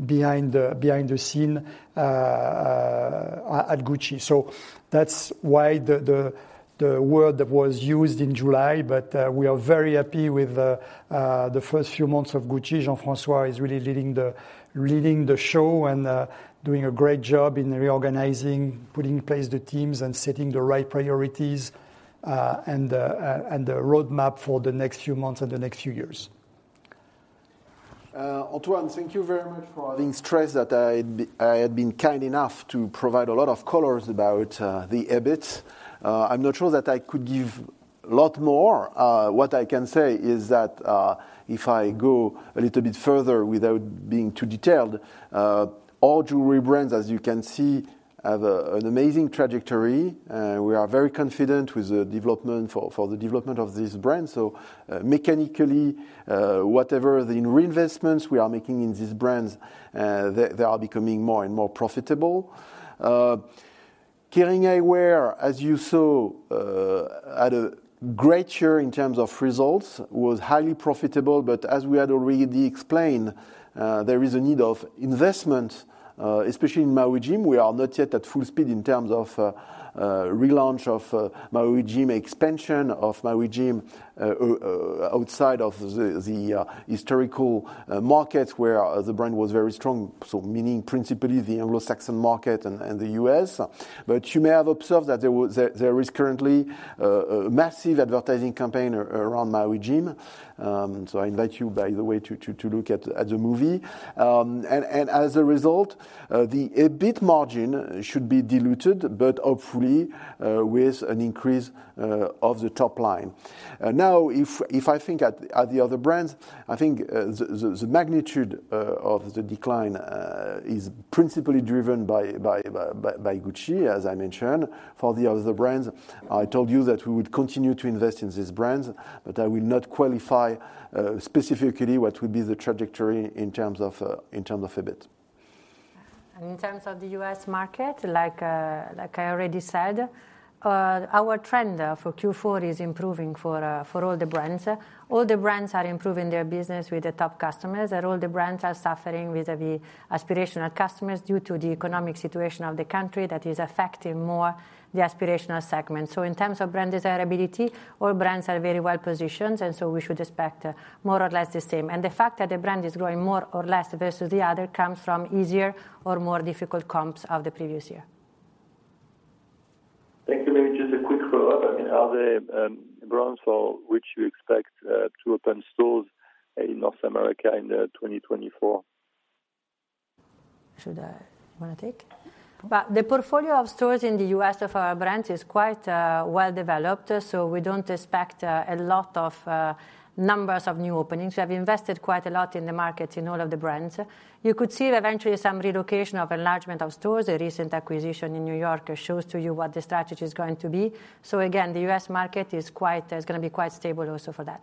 behind the scenes at Gucci. So that's why the word that was used in July, but we are very happy with the first few months of Gucci. Jean-François is really leading the show and doing a great job in reorganizing, putting in place the teams, and setting the right priorities and the roadmap for the next few months and the next few years. Antoine, thank you very much for adding stress that I, I had been kind enough to provide a lot of colors about, the EBIT. I'm not sure that I could give a lot more. What I can say is that, if I go a little bit further without being too detailed, all jewelry brands, as you can see, have, an amazing trajectory, we are very confident with the development for, for the development of this brand. So, mechanically, whatever the reinvestments we are making in these brands, they, they are becoming more and more profitable. Kering Eyewear, as you saw, had a great year in terms of results, was highly profitable, but as we had already explained, there is a need of investment, especially in Maui Jim. We are not yet at full speed in terms of relaunch of Maui Jim, expansion of Maui Jim outside of the historical markets where the brand was very strong, so meaning principally the Anglo-Saxon market and the U.S. But you may have observed that there is currently a massive advertising campaign around Maui Jim. So I invite you, by the way, to look at the movie. And as a result, the EBIT margin should be diluted, but hopefully with an increase of the top line. Now, if I think at the other brands, I think the magnitude of the decline is principally driven by Gucci, as I mentioned. For the other brands, I told you that we would continue to invest in these brands, but I will not qualify specifically what would be the trajectory in terms of, in terms of EBIT. And in terms of the U.S. market, like, like I already said, our trend for Q4 is improving for all the brands. All the brands are improving their business with the top customers, and all the brands are suffering with the aspirational customers due to the economic situation of the country that is affecting more the aspirational segment. So in terms of brand desirability, all brands are very well positioned, and so we should expect more or less the same. And the fact that the brand is growing more or less versus the other, comes from easier or more difficult comps of the previous year. Thank you. Maybe just a quick follow-up. I mean, are there brands for which you expect to open stores in North America in 2024? Should I... You wanna take? But the portfolio of stores in the U.S. of our brand is quite, well-developed, so we don't expect a lot of numbers of new openings. We have invested quite a lot in the market in all of the brands. You could see eventually some relocation of enlargement of stores. A recent acquisition in New York shows to you what the strategy is going to be. So again, the U.S. market is quite, it's gonna be quite stable also for that.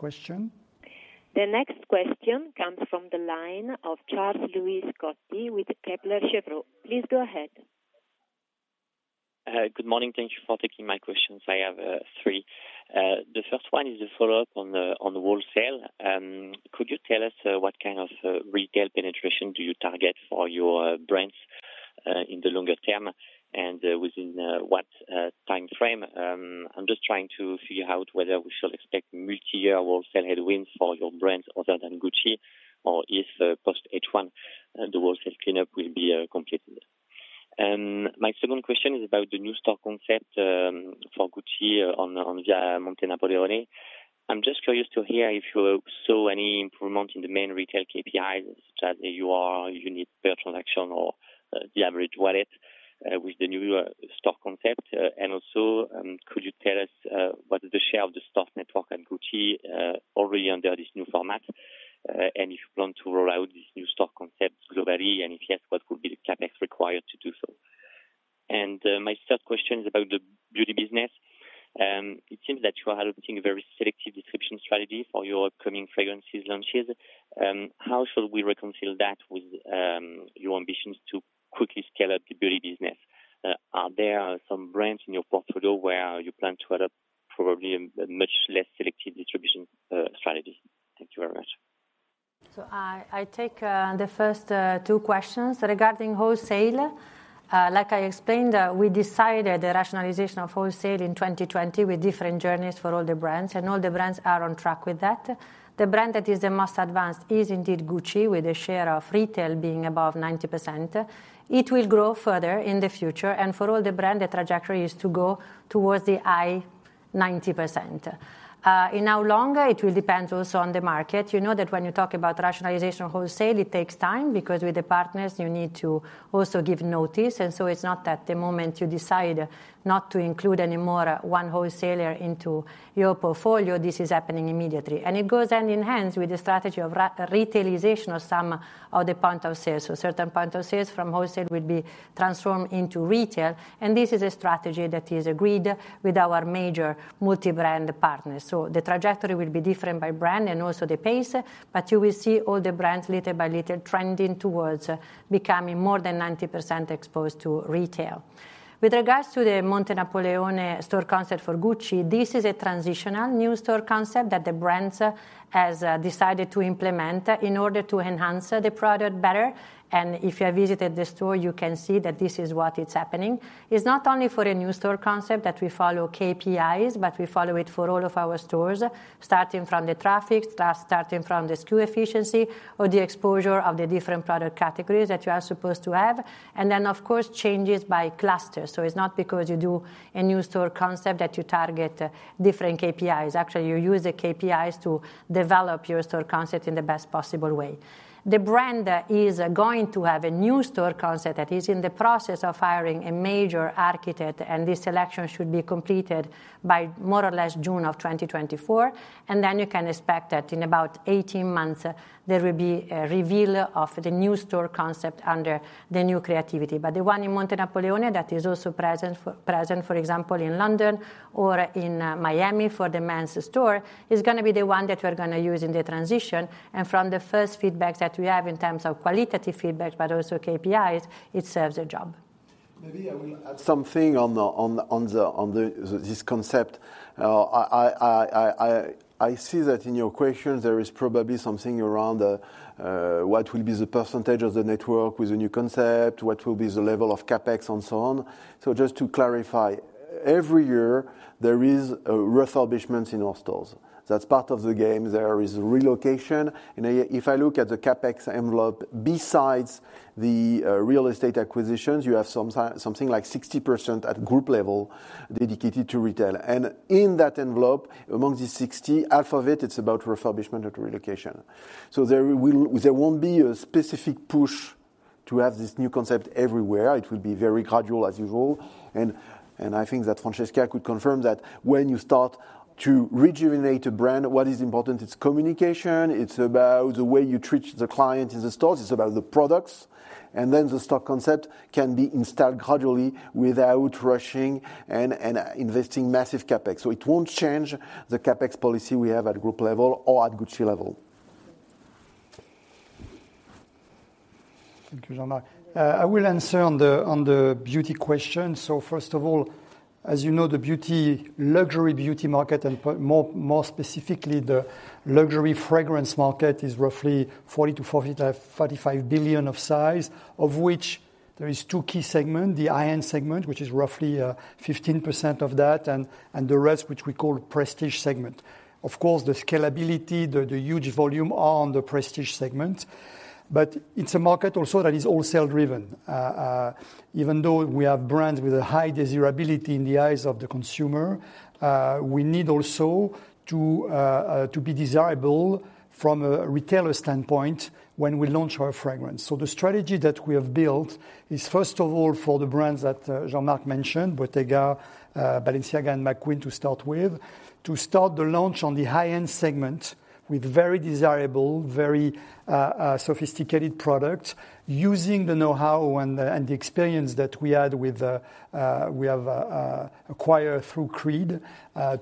Thank you very much. Question? The next question comes from the line of Charles Louis Scotti with Kepler Cheuvreux. Please go ahead. Good morning. Thank you for taking my questions. I have three. The first one is a follow-up on the wholesale. Could you tell us what kind of retail penetration do you target for your brands in the longer term, and within what time frame? I'm just trying to figure out whether we shall expect multiyear wholesale headwinds for your brands other than Gucci, or if post H1 the wholesale cleanup will be completed. And my second question is about the new store concept for Gucci on Via Monte Napoleone. I'm just curious to hear if you saw any improvement in the main retail KPIs, such as UR, unit per transaction, or the average wallet with the new store concept. And also, could you tell us what is the share of the store network in Gucci already under this new format? And if you plan to roll out this new store concept globally, and if yes, what would be the CapEx required to do so? And, my third question is about the beauty business. It seems that you are adopting a very selective distribution strategy for your upcoming fragrances launches. How shall we reconcile that with your ambitions to quickly scale up the beauty business? Are there some brands in your portfolio where you plan to adopt probably a much less selective distribution strategy? Thank you very much. I take the first two questions. Regarding wholesale, like I explained, we decided the rationalization of wholesale in 2020 with different journeys for all the brands, and all the brands are on track with that. The brand that is the most advanced is indeed Gucci, with a share of retail being above 90%. It will grow further in the future, and for all the brand, the trajectory is to go towards the high 90%. In how long, it will depend also on the market. You know that when you talk about rationalization of wholesale, it takes time, because with the partners, you need to also give notice. And so it's not that the moment you decide not to include any more one wholesaler into your portfolio, this is happening immediately. It goes and enhance with the strategy of retailization of some of the point of sales. So certain point of sales from wholesale will be transformed into retail, and this is a strategy that is agreed with our major multi-brand partners. So the trajectory will be different by brand and also the pace, but you will see all the brands little by little trending towards becoming more than 90% exposed to retail. With regards to the Monte Napoleone store concept for Gucci, this is a transitional new store concept that the brands has decided to implement in order to enhance the product better. And if you have visited the store, you can see that this is what is happening. It's not only for a new store concept that we follow KPIs, but we follow it for all of our stores, starting from the traffic, starting from the SKU efficiency or the exposure of the different product categories that you are supposed to have, and then, of course, changes by cluster. So it's not because you do a new store concept that you target different KPIs. Actually, you use the KPIs to develop your store concept in the best possible way. The brand is going to have a new store concept that is in the process of hiring a major architect, and this selection should be completed by more or less June of 2024. And then you can expect that in about 18 months, there will be a reveal of the new store concept under the new creativity. But the one in Via Monte Napoleone, that is also present, for example, in London or in Miami for the men's store, is gonna be the one that we're gonna use in the transition. And from the first feedback that we have in terms of qualitative feedback, but also KPIs, it serves a job.... Maybe I will add something on the this concept. I see that in your question there is probably something around what will be the percentage of the network with the new concept, what will be the level of CapEx, and so on. So just to clarify, every year there is a refurbishment in our stores. That's part of the game. There is relocation. And if I look at the CapEx envelope, besides the real estate acquisitions, you have something like 60% at group level dedicated to retail. And in that envelope, among the 60, half of it, it's about refurbishment or relocation. So there will, there won't be a specific push to have this new concept everywhere. It will be very gradual, as usual. I think that Francesca could confirm that when you start to rejuvenate a brand, what is important, it's communication, it's about the way you treat the client in the stores, it's about the products. And then the store concept can be installed gradually without rushing and investing massive CapEx. So it won't change the CapEx policy we have at group level or at Gucci level. Thank you, Jean-Marc. I will answer on the, on the beauty question. So first of all, as you know, the beauty, luxury beauty market, and more, more specifically, the luxury fragrance market, is roughly 40 billion-45 billion of size, of which there is two key segment: the high-end segment, which is roughly 15% of that, and the rest, which we call prestige segment. Of course, the scalability, the huge volume are on the prestige segment, but it's a market also that is wholesale driven. Even though we have brands with a high desirability in the eyes of the consumer, we need also to be desirable from a retailer standpoint when we launch our fragrance. So the strategy that we have built is, first of all, for the brands that Jean-Marc mentioned, Bottega, Balenciaga and McQueen, to start with, to start the launch on the high-end segment with very desirable, very sophisticated products, using the know-how and the experience that we have acquired through Creed,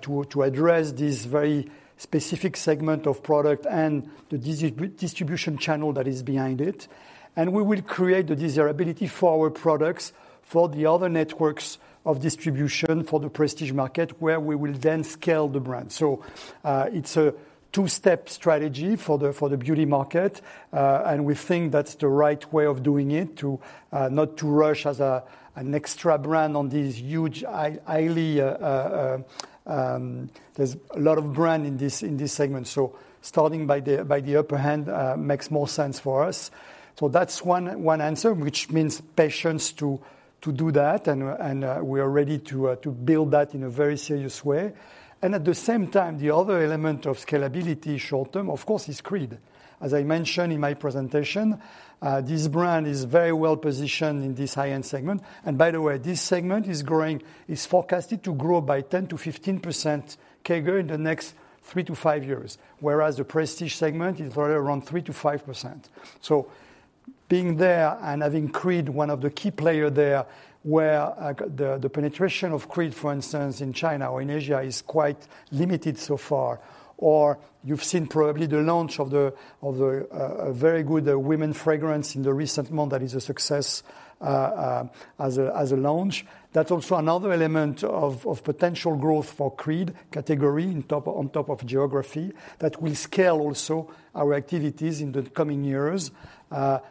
to address this very specific segment of product and the distribution channel that is behind it. And we will create the desirability for our products, for the other networks of distribution, for the prestige market, where we will then scale the brand. So, it's a two-step strategy for the beauty market, and we think that's the right way of doing it, to not rush as an extra brand on this huge, highly... There's a lot of brand in this, in this segment, so starting by the, by the upper hand, makes more sense for us. So that's one answer, which means patience to do that, and we are ready to build that in a very serious way. And at the same time, the other element of scalability, short term, of course, is Creed. As I mentioned in my presentation, this brand is very well positioned in this high-end segment. And by the way, this segment is growing, is forecasted to grow by 10%-15% CAGR in the next 3-5 years, whereas the prestige segment is rather around 3%-5%. So being there and having Creed, one of the key player there, where the penetration of Creed, for instance, in China or in Asia, is quite limited so far. Or you've seen probably the launch of the, of the a very good women fragrance in the recent month. That is a success, as a launch. That's also another element of potential growth for Creed category, on top of geography, that will scale also our activities in the coming years.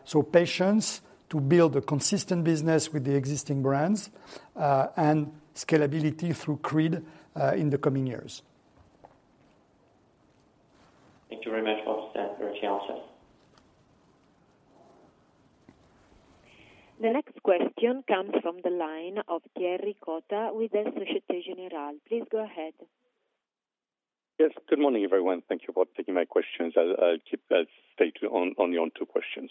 So patience to build a consistent business with the existing brands, and scalability through Creed, in the coming years. Thank you very much, François, for the answer. The next question comes from the line of Thierry Cota with Société Générale please go ahead. Yes, good morning, everyone. Thank you for taking my questions. I'll keep to only two questions.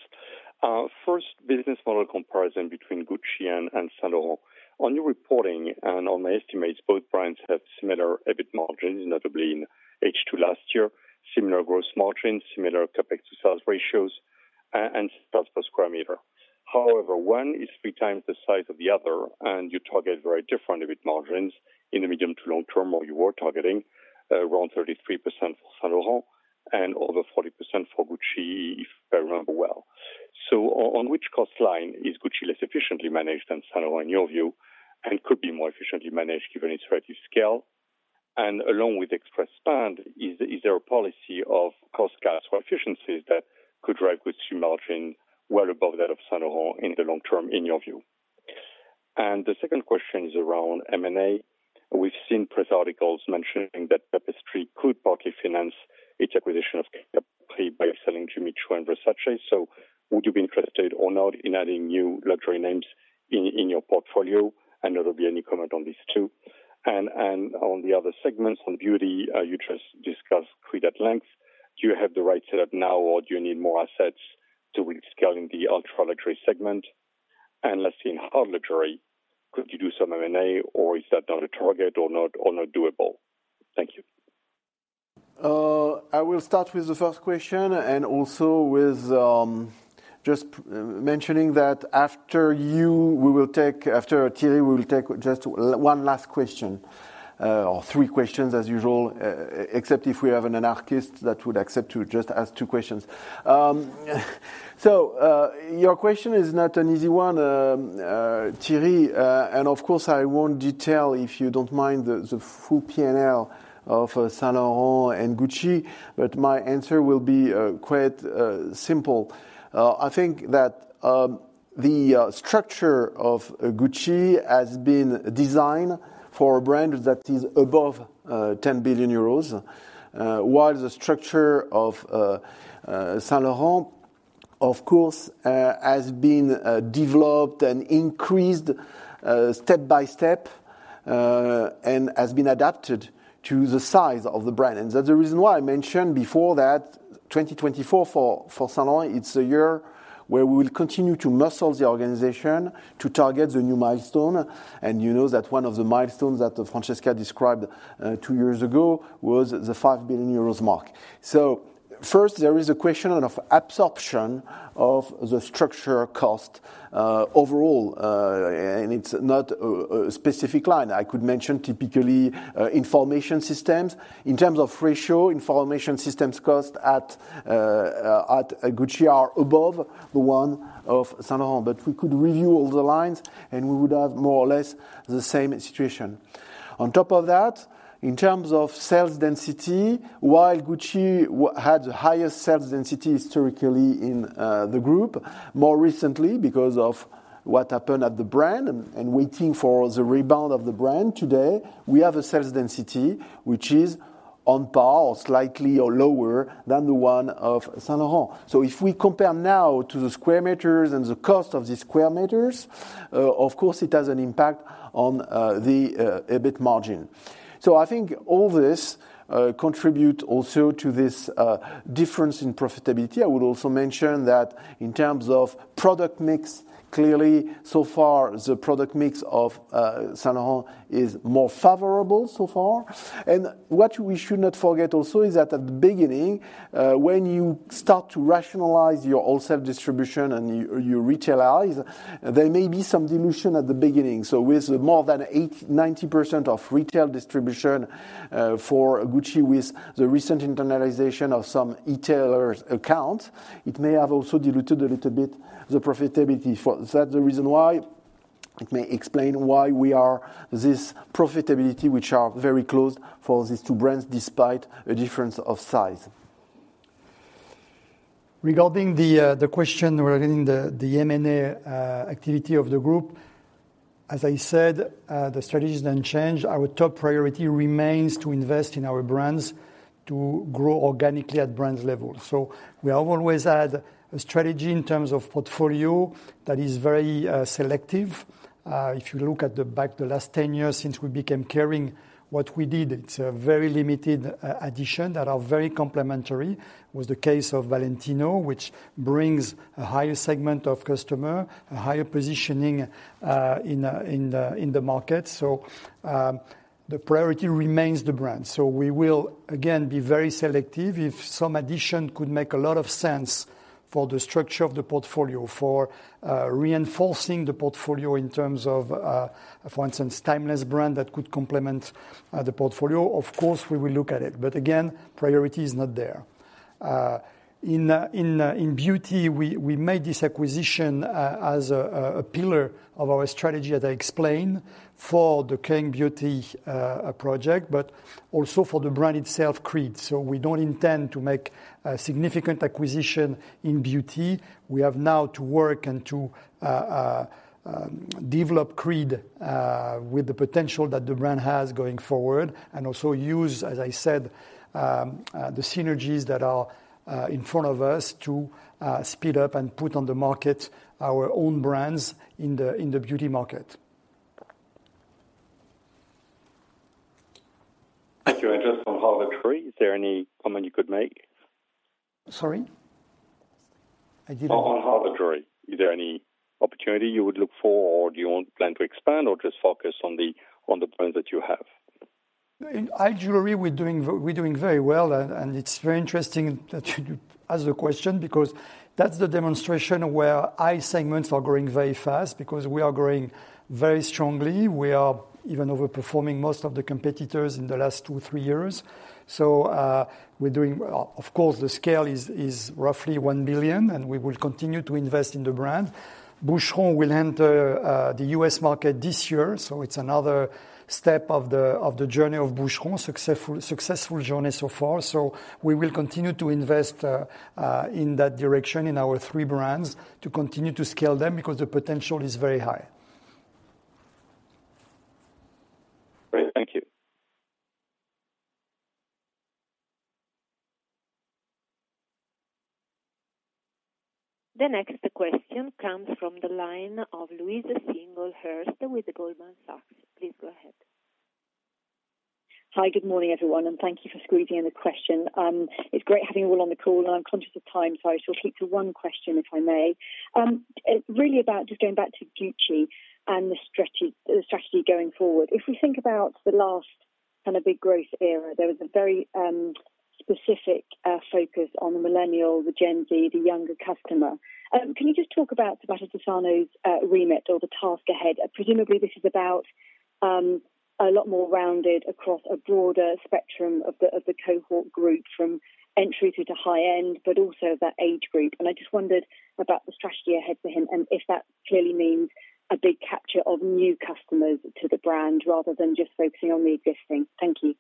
First, business model comparison between Gucci and Saint Laurent. On your reporting and on my estimates, both brands have similar EBIT margins, notably in H2 last year, similar gross margins, similar CapEx to sales ratios, and sales per square meter. However, one is three times the size of the other, and you target very different EBIT margins in the medium to long term, or you were targeting, around 33% for Saint Laurent and over 40% for Gucci, if I remember well. So, on which cost line is Gucci less efficiently managed than Saint Laurent, in your view, and could be more efficiently managed given its relative scale? Along with express spend, is there a policy of cost cuts or efficiencies that could drive Gucci margin well above that of Saint Laurent in the long term, in your view? The second question is around M&A. We've seen press articles mentioning that Tapestry could partly finance its acquisition of Creed by selling Jimmy Choo and Versace. So would you be interested or not in adding new luxury names in your portfolio? And there will be any comment on this, too. And on the other segments, on beauty, you just discussed Creed at length. Do you have the right setup now, or do you need more assets to scaling the ultra-luxury segment? And lastly, in hard luxury, could you do some M&A, or is that not a target or not doable? Thank you. I will start with the first question and also with just mentioning that after you, we will take—after Thierry, we will take just one last question, or three questions as usual, except if we have an anarchist that would accept to just ask two questions. So, your question is not an easy one, Thierry, and of course, I won't detail, if you don't mind, the full PNL of Saint Laurent and Gucci, but my answer will be quite simple. I think that the structure of Gucci has been designed for a brand that is above 10 billion euros, while the structure of Saint Laurent, of course, has been developed and increased step-by-step and has been adapted to the size of the brand. That's the reason why I mentioned before that 2024 for Saint Laurent, it's a year where we will continue to muscle the organization to target the new milestone. And you know that one of the milestones that Francesca described two years ago was the 5 billion euros mark. So first, there is a question of absorption of the structure cost overall, and it's not a specific line. I could mention typically information systems. In terms of ratio, information systems cost at Gucci are above the one of Saint Laurent. But we could review all the lines, and we would have more or less the same situation. On top of that, in terms of sales density, while Gucci had the highest sales density historically in the group, more recently, because of what happened at the brand and waiting for the rebound of the brand, today, we have a sales density which is on par or slightly or lower than the one of Saint Laurent. So if we compare now to the square meters and the cost of the square meters, of course, it has an impact on the EBIT margin. So I think all this contribute also to this difference in profitability. I would also mention that in terms of product mix, clearly, so far, the product mix of Saint Laurent is more favorable so far. What we should not forget also is that at the beginning, when you start to rationalize your old sales distribution and you retailize, there may be some dilution at the beginning. So with more than 89% of retail distribution for Gucci, with the recent internalization of some e-tailers account, it may have also diluted a little bit the profitability. For that the reason why, it may explain why we are this profitability, which are very close for these two brands, despite a difference of size. Regarding the question regarding the M&A activity of the group, as I said, the strategy doesn't change. Our top priority remains to invest in our brands, to grow organically at brand level. So we have always had a strategy in terms of portfolio that is very selective. If you look at the back, the last 10 years since we became Kering, what we did, it's a very limited addition that is very complementary. With the case of Valentino, which brings a higher segment of customer, a higher positioning, in the market. So, the priority remains the brand. So we will, again, be very selective. If some addition could make a lot of sense for the structure of the portfolio, for reinforcing the portfolio in terms of, for instance, timeless brand that could complement the portfolio, of course, we will look at it, but again, priority is not there. In beauty, we made this acquisition as a pillar of our strategy, as I explained, for the Kering Beauty project, but also for the brand itself, Creed. So we don't intend to make a significant acquisition in beauty. We have now to work and to develop Creed with the potential that the brand has going forward, and also use, as I said, the synergies that are in front of us to speed up and put on the market our own brands in the beauty market. Thank you. Just on jewelry, is there any comment you could make? Sorry? I didn't- On jewelry, is there any opportunity you would look for, or do you want plan to expand or just focus on the brands that you have? In high jewelry, we're doing very well, and it's very interesting that you ask the question, because that's the demonstration where high segments are growing very fast, because we are growing very strongly. We are even overperforming most of the competitors in the last two, three years. So, of course, the scale is roughly 1 billion, and we will continue to invest in the brand. Boucheron will enter the US market this year, so it's another step of the journey of Boucheron, successful journey so far. So we will continue to invest in that direction, in our three brands, to continue to scale them, because the potential is very high. Great. Thank you. The next question comes from the line of Louise Singlehurst with Goldman Sachs. Please go ahead. Hi, good morning, everyone, and thank you for squeezing in the question. It's great having you all on the call, and I'm conscious of time, so I shall keep to one question, if I may. It's really about just going back to Gucci and the strategy, the strategy going forward. If we think about the last kind of big growth era, there was a very specific focus on the millennial, the Gen Z, the younger customer. Can you just talk about Sabato De Sarno's remit or the task ahead? Presumably, this is about a lot more rounded across a broader spectrum of the cohort group, from entry through to high end, but also of that age group. I just wondered about the strategy ahead for him, and if that clearly means a big capture of new customers to the brand, rather than just focusing on the existing. Thank you.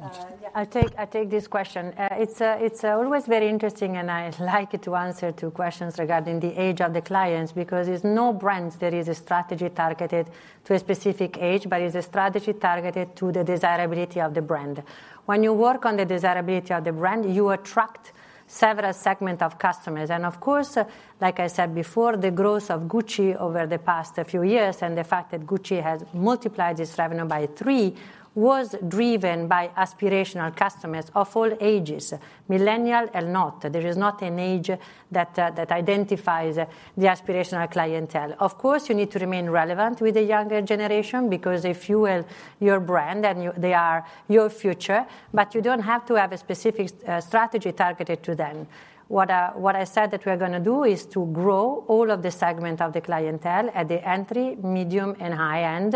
Yeah, I take this question. It's always very interesting, and I like to answer two questions regarding the age of the clients, because there's no brand there is a strategy targeted to a specific age, but is a strategy targeted to the desirability of the brand. When you work on the desirability of the brand, you attract several segment of customers. And of course, like I said before, the growth of Gucci over the past few years, and the fact that Gucci has multiplied its revenue by three, was driven by aspirational customers of all ages, millennial and not. There is not an age that that identifies the aspirational clientele. Of course, you need to remain relevant with the younger generation because if you will, your brand, and you, they are your future, but you don't have to have a specific strategy targeted to them. What, what I said that we are gonna do is to grow all of the segment of the clientele at the entry, medium and high end,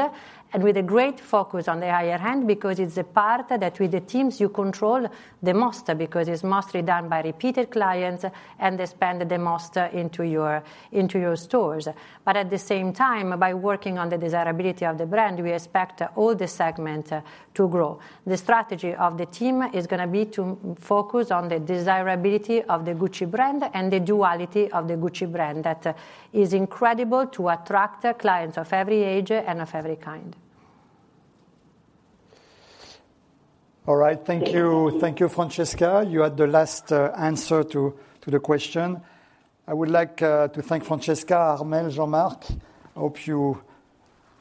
and with a great focus on the higher end, because it's a part that with the teams you control the most, because it's mostly done by repeated clients, and they spend the most into your, into your stores. But at the same time, by working on the desirability of the brand, we expect all the segment to grow. The strategy of the team is gonna be to focus on the desirability of the Gucci brand and the duality of the Gucci brand, that is incredible to attract clients of every age and of every kind. All right. Thank you. Thank you, Francesca. You had the last answer to the question. I would like to thank Francesca, Armelle, Jean-Marc. Hope you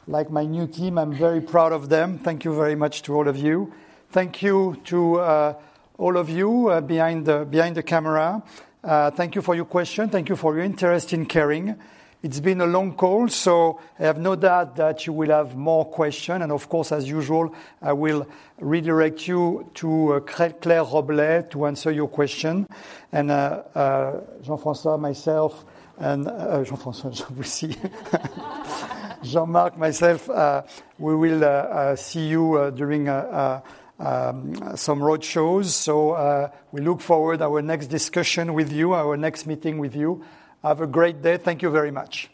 like my new team. I'm very proud of them. Thank you very much to all of you. Thank you to all of you behind the camera. Thank you for your question. Thank you for your interest in Kering. It's been a long call, so I have no doubt that you will have more question. And of course, as usual, I will redirect you to Claire Roblet to answer your question. And Jean-François, myself, and Jean-François we'll see. Jean-Marc, myself, we will see you during some road shows. So, we look forward our next discussion with you, our next meeting with you. Have a great day. Thank you very much.